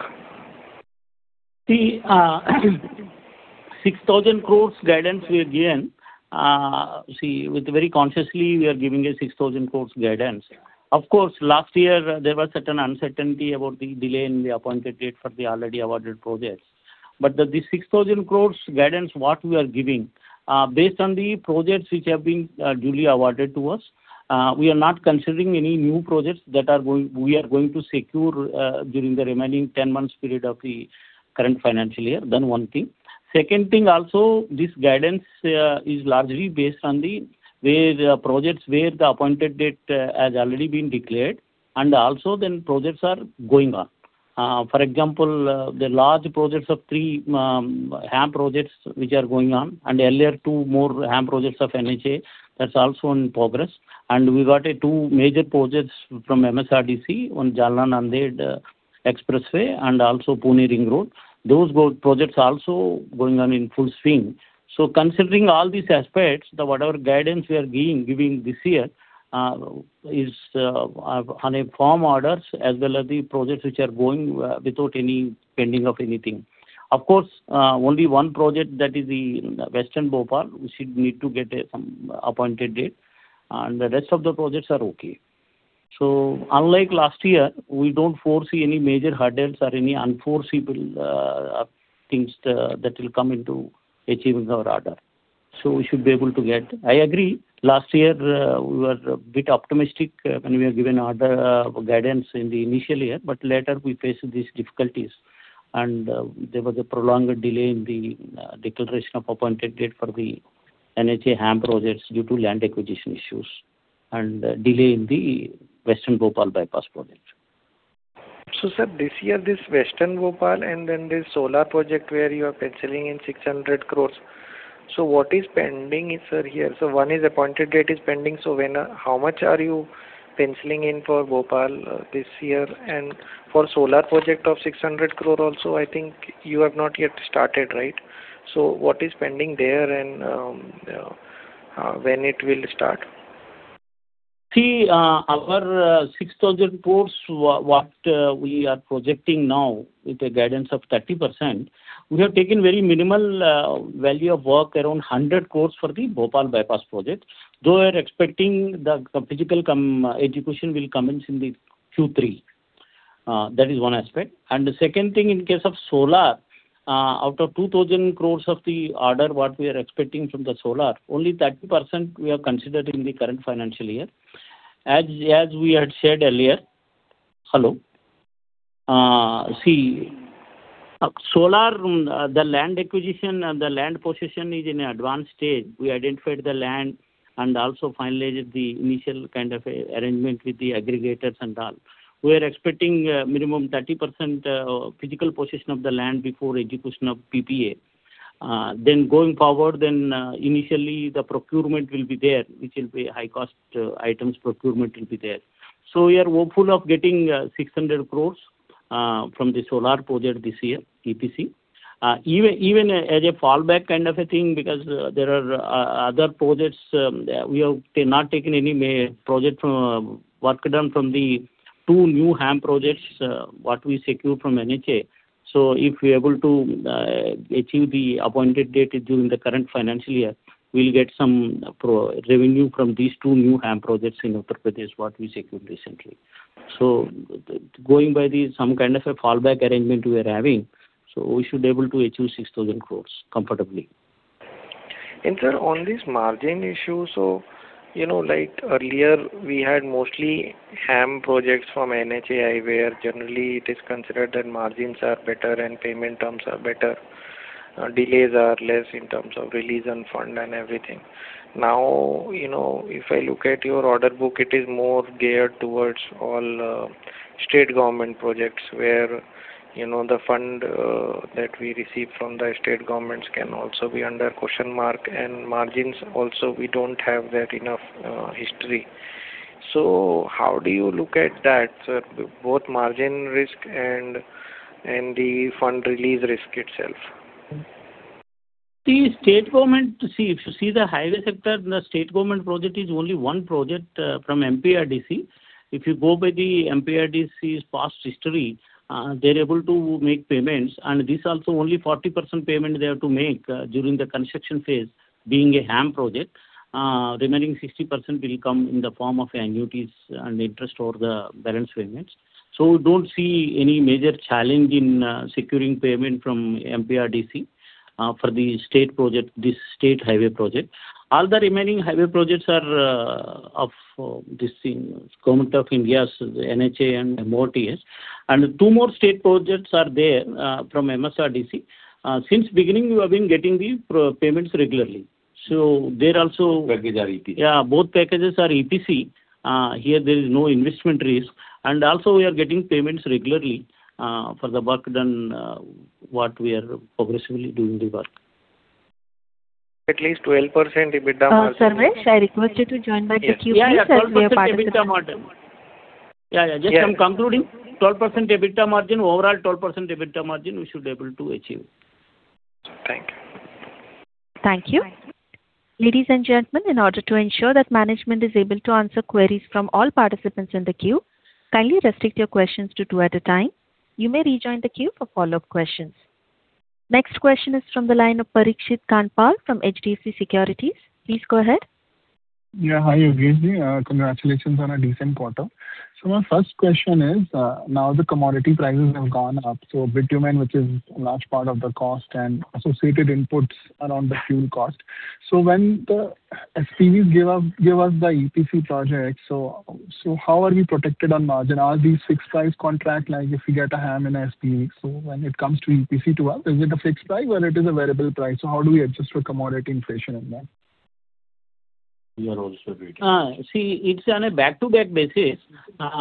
6,000 crore guidance we have given. Very consciously, we are giving a 6,000 crore guidance. Last year, there was certain uncertainty about the delay in the appointed date for the already awarded projects. This 6,000 crore guidance, what we are giving, based on the projects which have been duly awarded to us, we are not considering any new projects that we are going to secure during the remaining 10 months' period of the current financial year. One thing. Second thing, also, this guidance is largely based on the projects where the appointed date has already been declared, also projects are going on. For example, the large projects of three HAM projects which are going on and earlier two more HAM projects of NHAI, that's also in progress. We got two major projects from MSRDC on Jalna-Nanded Expressway and also Pune Ring Road. Those projects are also going on in full swing. Considering all these aspects, whatever guidance we are giving this year is on firm orders as well as the projects which are going without any pending of anything. Of course, only one project that is the Western Bhopal, we should need to get some appointed date. The rest of the projects are okay. Unlike last year, we don't foresee any major hurdles or any unforeseeable things that will come into achieving our order. We should be able to get. I agree, last year, we were a bit optimistic when we were given guidance in the initial year, but later, we faced these difficulties. There was a prolonged delay in the declaration of appointed date for the NHAI HAM projects due to land acquisition issues and delay in the Western Bhopal bypass project. Sir, this year, this Western Bhopal and then this solar project where you are penciling in 600 crores, what is pending, sir, here? One is appointed date is pending. How much are you penciling in for Bhopal this year? For solar project of 600 crore also, I think you have not yet started, right? What is pending there and when it will start? Our 6,000 crore what we are projecting now with a guidance of 30%, we have taken very minimal value of work around 100 crore for the Bhopal bypass project, though we are expecting the physical execution will commence in the Q3. That is one aspect. The second thing, in case of solar, out of 2,000 crore of the order what we are expecting from the solar, only 30% we are considering in the current financial year. As we had said earlier, the land acquisition and the land possession is in an advanced stage. We identified the land and also finalized the initial kind of arrangement with the aggregators and all. We are expecting minimum 30% physical possession of the land before execution of PPA. Going forward, initially, the procurement will be there, which will be high-cost items procurement will be there. We are hopeful of getting 600 crores from the solar project this year, EPC, even as a fallback kind of a thing because there are other projects we have not taken any project work done from the two new HAM projects what we secured from NHAI. If we are able to achieve the appointed date during the current financial year, we'll get some revenue from these two new HAM projects in Uttar Pradesh what we secured recently. Going by this, some kind of a fallback arrangement we are having, we should be able to achieve 6,000 crores comfortably. Sir, on this margin issue, like earlier, we had mostly HAM projects from NHAI where generally, it is considered that margins are better and payment terms are better. Delays are less in terms of release and fund and everything. If I look at your order book, it is more geared towards all state government projects where the fund that we receive from the state governments can also be under question mark, and margins also, we don't have that enough history. How do you look at that, sir, both margin risk and the fund release risk itself? The highway sector, the state government project is only one project from MPRDC. If you go by the MPRDC's past history, they are able to make payments. This also, only 40% payment they have to make during the construction phase being a HAM project. Remaining 60% will come in the form of annuities and interest over the balance payments. We don't see any major challenge in securing payment from MPRDC for this state highway project. All the remaining highway projects are of this government of India, NHAI, and MoRTH. Two more state projects are there from MSRDC. Since beginning, we have been getting the payments regularly. They are also. Package are EPC? Yeah, both packages are EPC. Here, there is no investment risk. Also, we are getting payments regularly for the work done what we are progressively doing the work. At least 12% EBITDA margin? Sir, may I request you to join back the Q&A. Yes, please. Yeah. Just I'm concluding. 12% EBITDA margin, overall 12% EBITDA margin, we should be able to achieve. Thank you. Thank you. Ladies and gentlemen, in order to ensure that management is able to answer queries from all participants in the queue, kindly restrict your questions to two at a time. You may rejoin the queue for follow-up questions. Next question is from the line of Parikshit Kandpal from HDFC Securities. Please go ahead. Hi, Yogesh Jain. Congratulations on a decent quarter. My first question is, now the commodity prices have gone up, so bitumen, which is a large part of the cost, and associated inputs around the fuel cost. When the SPVs gave us the EPC project, so how are we protected on margin? Are these fixed price contract like if you get a HAM and an SPV? When it comes to EPC to us, is it a fixed price or it is a variable price? How do we adjust for commodity inflation in that? [inaudible] See, it's on a back-to-back basis.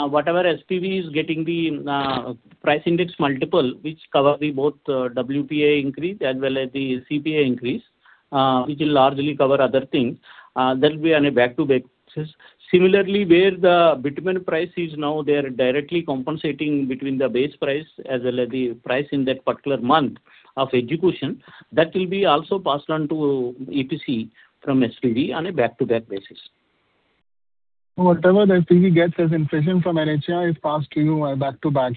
Whatever SPV is getting the price index multiple, which covers both WPI increase as well as the CPI increase, which will largely cover other things, that will be on a back-to-back basis. Where the bitumen price is now, they are directly compensating between the base price as well as the price in that particular month of execution. That will be also passed on to EPC from SPV on a back-to-back basis. Whatever the SPV gets as inflation from NHAI is passed to you back-to-back.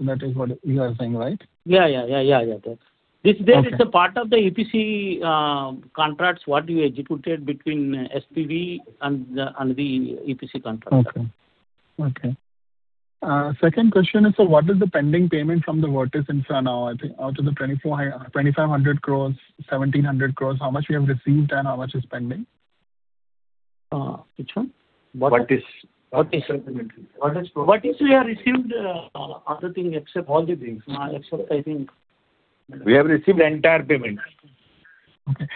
That is what you are saying, right? Yeah. This there, it's a part of the EPC contracts what you executed between SPV and the EPC contract. Okay. Okay. Second question is, what is the pending payment from the [Vertis Infra] now out of the 2,500 crore, 1,700 crore? How much we have received and how much is pending? Which one? What is we have received other thing except all the things? Except, I think, we have received the entire payment. Okay.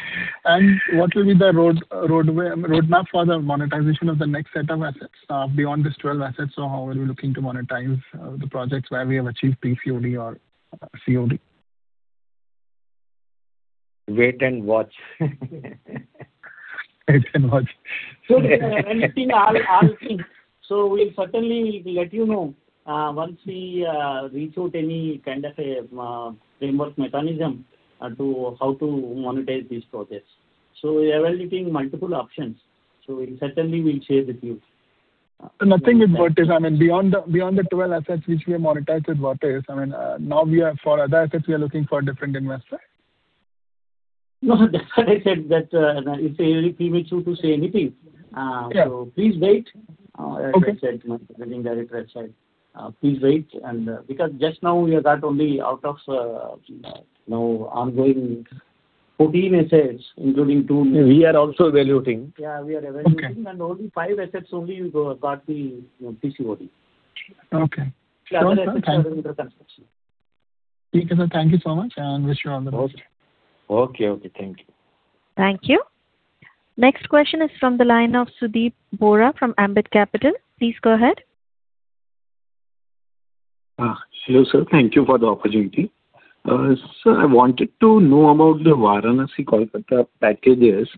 What will be the roadmap for the monetization of the next set of assets beyond these 12 assets? How are we looking to monetize the projects where we have achieved PCOD or COD? Wait and watch. Wait and watch. Anything, I'll think. We'll certainly let you know once we reach out any kind of a framework mechanism to how to monetize these projects. We are evaluating multiple options. Certainly, we'll share with you. Nothing with. [inaudible] I mean, beyond the 12 assets which we have monetized with, [inaudible] I mean, now for other assets, we are looking for a different investor? No, that's what I said. It's premature to say anything. Please wait. I said my reading director has said, "Please wait." Just now, we got only out of now ongoing 14 assets, including two. We are also evaluating. Yeah, we are evaluating. Only five assets got the PCOD. Okay. The other assets are under construction. Okay. Sir, thank you so much, and wish you all the best. Okay. Okay. Thank you. Thank you. Next question is from the line of Sudeep Bora from Ambit Capital. Please go ahead. Hello, sir. Thank you for the opportunity. Sir, I wanted to know about the Varanasi-Kolkata packages.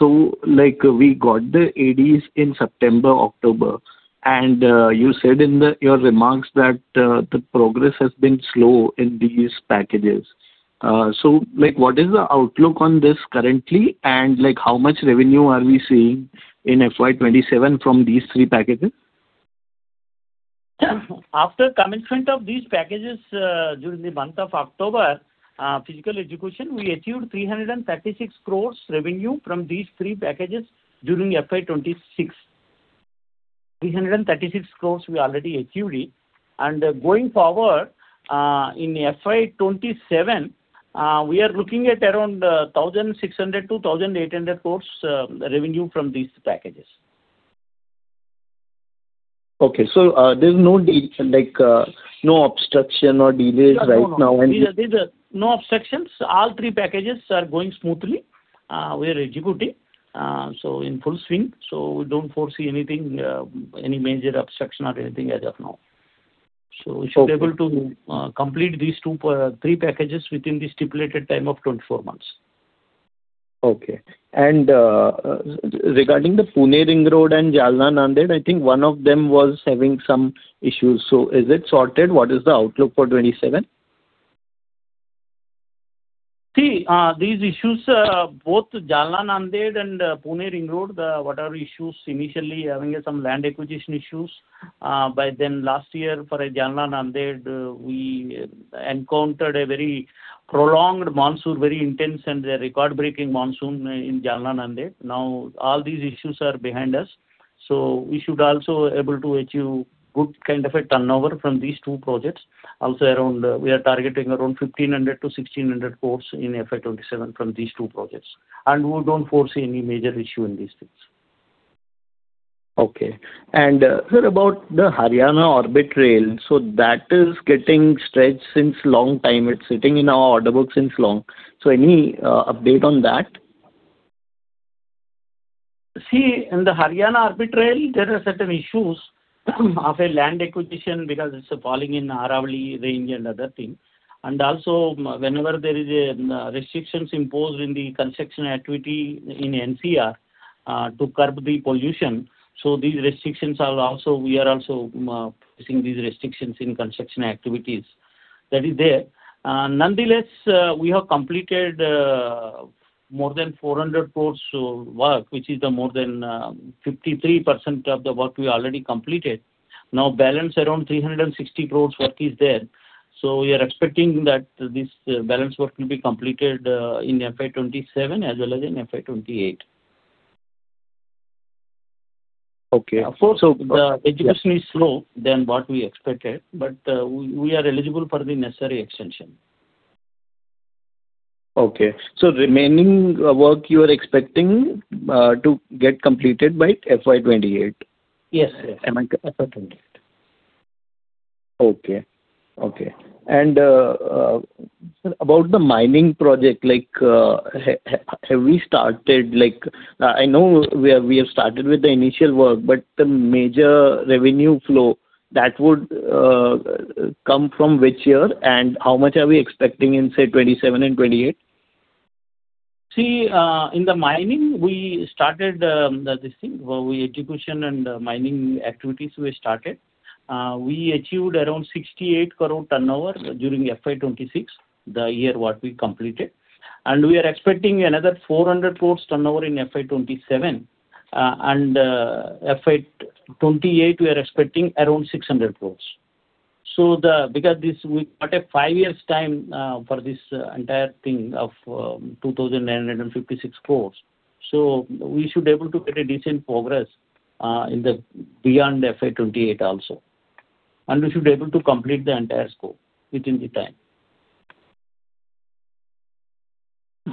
We got the ADs in September, October. You said in your remarks that the progress has been slow in these packages. What is the outlook on this currently, and how much revenue are we seeing in FY 2027 from these three packages? After commencement of these packages during the month of October, physical execution, we achieved 336 crore revenue from these three packages during FY 2026. 336 crore we already achieved it. Going forward, in FY 2027, we are looking at around 1,600 crore-1,800 crore revenue from these packages. Okay. There's no obstruction or delays right now? No obstructions. All three packages are going smoothly. We are executing in full swing. We don't foresee any major obstruction or anything as of now. We should be able to complete these three packages within the stipulated time of 24 months. Okay. Regarding the Pune Ring Road and Jalna-Nanded, I think one of them was having some issues. Is it sorted? What is the outlook for 2027? These issues, both Jalna-Nanded and Pune Ring Road, whatever issues initially having some land acquisition issues. Last year, for Jalna-Nanded, we encountered a very prolonged monsoon, very intense, and a record-breaking monsoon in Jalna-Nanded. All these issues are behind us. We should also be able to achieve good kind of a turnover from these two projects. We are targeting around 1,500 crore to 1,600 crore in FY 2027 from these two projects. We don't foresee any major issue in these things. Okay. Sir, about the Haryana Orbital Rail Corridor, that is getting stretched since a long time. It's sitting in our order book since long. Any update on that? In the Haryana Orbit Rail, there are certain issues of land acquisition because it's falling in Aravalli range and other things. Whenever there are restrictions imposed in the construction activity in NCR to curb the pollution, we are also facing these restrictions in construction activities that is there. Nonetheless, we have completed more than 400 crore work, which is more than 53% of the work we already completed. Balance around 360 crore work is there. We are expecting that this balance work will be completed in FY 2027 as well as in FY 2028. Okay. Of course. The execution is slower than what we expected, but we are eligible for the necessary extension. Okay. Remaining work you are expecting to get completed by FY 2028? Yes, yes. FY 2028. Okay. Okay. Sir, about the mining project, I know we have started with the initial work, the major revenue flow, that would come from which year, and how much are we expecting in, say, 2027 and 2028? In the mining, we started this thing where we execution and mining activities we started, we achieved around 68 crore turnover during FY 2026, the year what we completed. We are expecting another 400 crore turnover in FY 2027. In FY 2028, we are expecting around 600 crore. We got a five-year time for this entire thing of 2,956 crore, so we should be able to get a decent progress beyond FY 2028 also. We should be able to complete the entire scope within the time.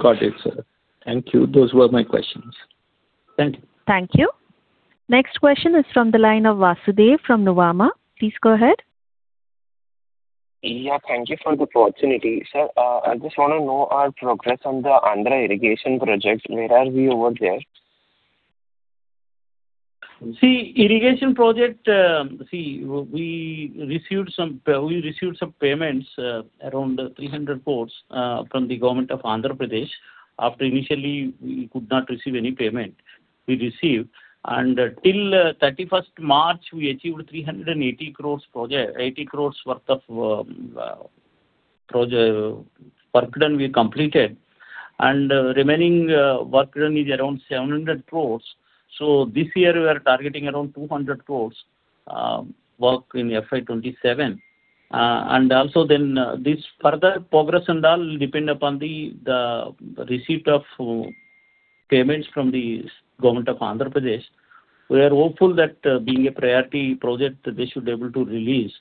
Got it, sir. Thank you. Those were my questions. Thank you. Thank you. Next question is from the line of Vasudev from Nuvama. Please go ahead. Yeah, thank you for the opportunity. Sir, I just want to know our progress on the Andhra irrigation project. Where are we over there? Irrigation project, we received some payments around 300 crores from the Government of Andhra Pradesh after initially, we could not receive any payment. We received. Till 31st March, we achieved 380 crores worth of work done we completed. Remaining work done is around 700 crores. This year, we are targeting around 200 crores work in FY 2027. This further progress and all will depend upon the receipt of payments from the Government of Andhra Pradesh. We are hopeful that being a priority project, they should be able to release.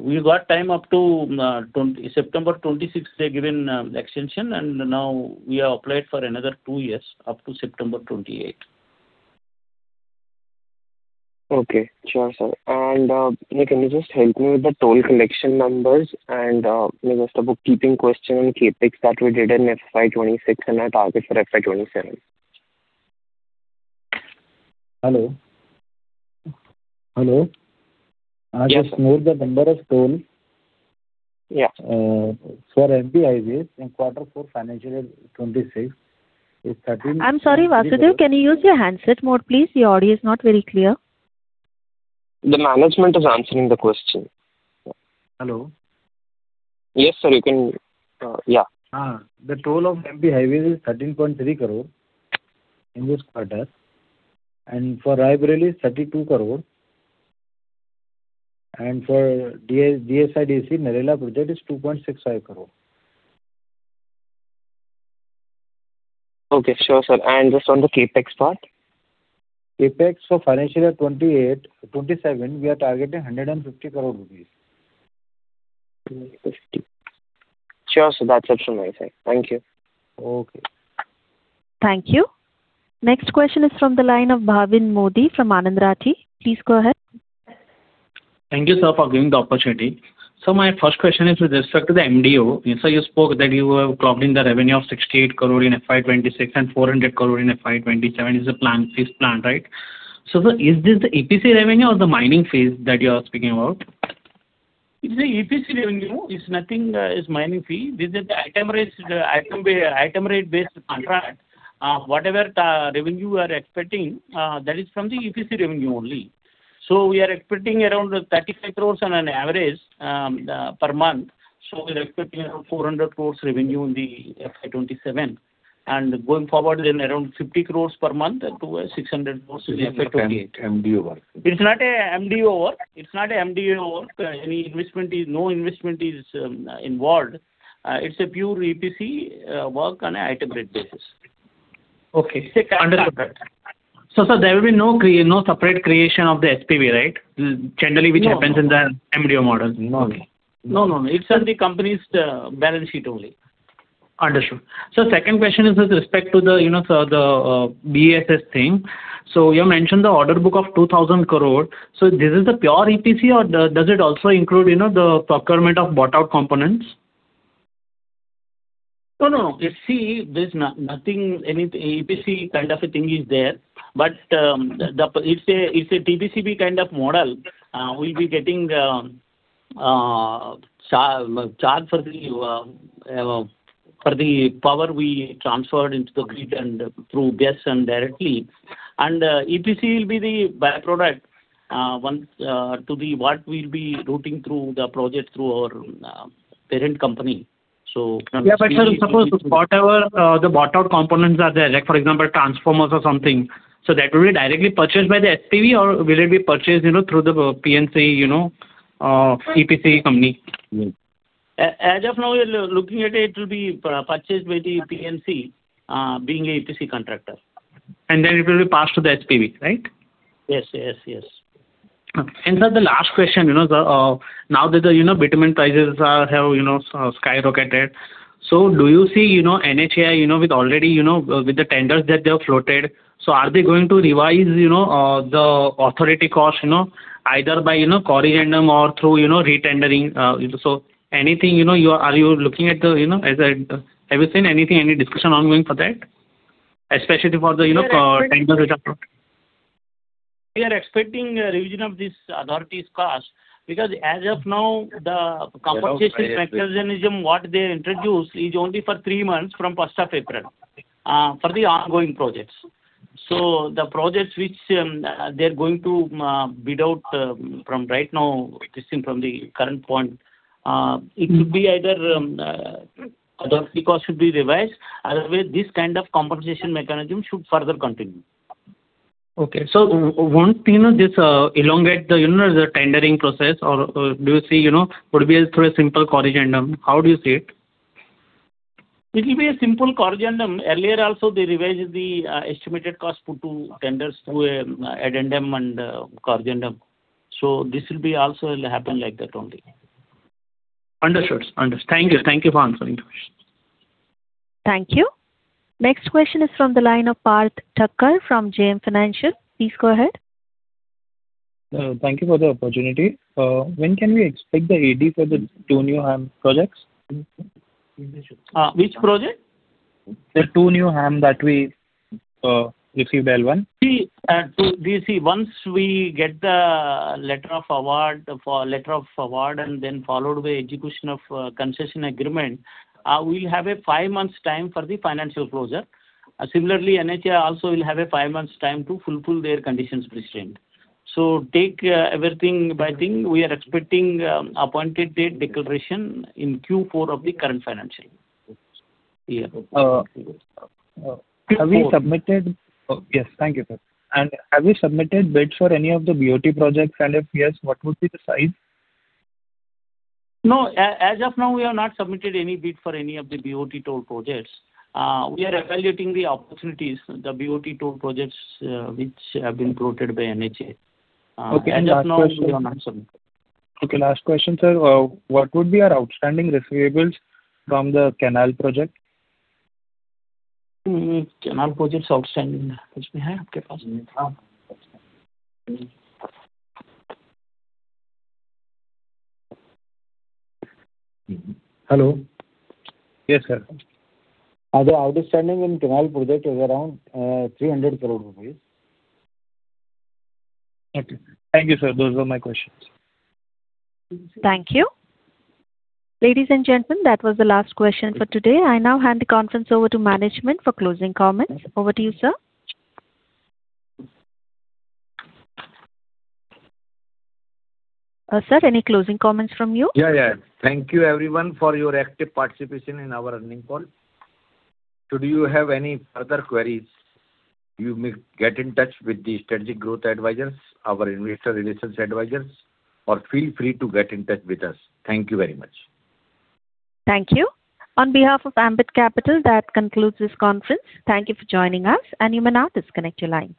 We got time up to September 26th, they given extension. Now, we are applied for another two years up to September 28th. Okay. Sure, sir. Can you just help me with the toll collection numbers and just a bookkeeping question on CAPEX that we did in FY 2026 and our target for FY 2027? Hello? Hello? I just know the number of tolls for MAVs in Q4, financial year 2026 is 13. I'm sorry, Vasudev. Can you use your handset mode, please? Your audio is not very clear. The management is answering the question. Hello? Yes, sir. You can yeah. The toll of MP Highways is 13.3 crores in this quarter. For Raebareli, 32 crores. For DSIIDC, Narela project is INR 2.65 crores. Okay. Sure, sir. Just on the CAPEX part? CAPEX for financial year 2027, we are targeting 150 crore rupees. Sure, sir. That's optional. Thank you. Okay. Thank you. Next question is from the line of Bhavin Modi from Anand Rathi. Please go ahead. Thank you, sir, for giving the opportunity. My first question is with respect to the MDO. Sir, you spoke that you have clocked in the revenue of 68 crore in FY 2026 and 400 crore in FY 2027 is the fixed plan, right? Sir, is this the EPC revenue or the mining fees that you are speaking about? It's the EPC revenue. It's nothing is mining fee. This is the item rate-based contract. Whatever revenue you are expecting, that is from the EPC revenue only. We are expecting around 35 crores on an average per month. We are expecting around 400 crores revenue in the FY 2027. Going forward, around 50 crores per month to 600 crores in the FY 2028. It's just an MDO work. It's not an MDO work. No investment is involved. It's a pure EPC work on an item rate basis. Okay. Understood that. Sir, there will be no separate creation of the SPV, right? Generally, which happens in the MDO model. No, no. It's on the company's balance sheet only. Understood. Sir, second question is with respect to the BESS thing. You mentioned the order book of 2,000 crore. This is the pure EPC, or does it also include the procurement of bought-out components? No, no. See, there is nothing EPC kind of a thing is there. It is a TBCB kind of model. We will be getting charged for the power we transferred into the grid through gas and directly. EPC will be the byproduct to what we will be routing through the project through our parent company. Yeah, sir, suppose whatever the bought-out components are there, for example, transformers or something, so that will be directly purchased by the SPV, or will it be purchased through the PNC EPC company? As of now, looking at it will be purchased by the PNC being the EPC contractor. Then it will be passed to the SPV, right? Yes, yes. Sir, the last question. Now that the bitumen prices have skyrocketed, do you see NHAI with already the tenders that they have floated, are they going to revise the authority cost either by corrigendum or through retendering? Anything, have you seen anything, any discussion ongoing for that, especially for the tenders? We are expecting revision of this authority cost because as of now, the compensation mechanism what they introduce is only for three months from 1st of April for the ongoing projects. The projects which they are going to bid out from right now, this thing from the current point, it should be either authority cost should be revised. Otherwise, this kind of compensation mechanism should further continue. Okay. Won't PNC just elongate the tendering process, or do you see it would be through a simple corrigendum? How do you see it? It will be a simple corrigendum. Earlier also, they revised the estimated cost put to tenders through an addendum and corrigendum. This will be also will happen like that only. Understood. Thank you. Thank you for answering the question. Thank you. Next question is from the line of Parth Thakkar from JM Financial. Please go ahead. Thank you for the opportunity. When can we expect the AD for the two new HAM projects? Which project? The two new HAM that we received L1? Once we get the letter of award and then followed by execution of concession agreement, we'll have a 5-months time for the financial closure. Similarly, NHAI also will have a 5-months time to fulfill their conditions prescribed. Take everything by thing. We are expecting appointed date declaration in Q4 of the current financial year. Have we submitted yes, thank you, sir. Have we submitted bid for any of the BOT projects? If yes, what would be the size? No, as of now, we have not submitted any bid for any of the BOT toll projects. We are evaluating the opportunities, the BOT toll projects which have been floated by NHAI. As of now, we have not submitted. Okay. Last question, sir. What would be our outstanding receivables from the canal project? Canal projects outstanding, [inaudible] Hello? Yes, sir. Other outstanding in canal project is around 300 crore rupees. Okay. Thank you, sir. Those were my questions. Thank you. Ladies and gentlemen, that was the last question for today. I now hand the conference over to management for closing comments. Over to you, sir. Sir, any closing comments from you? Yeah. Thank you, everyone, for your active participation in our earnings call. Should you have any further queries, you may get in touch with the Strategic Growth Advisors, our investor relations advisors, or feel free to get in touch with us. Thank you very much. Thank you. On behalf of Ambit Capital, that concludes this conference. Thank you for joining us. You may now disconnect your line.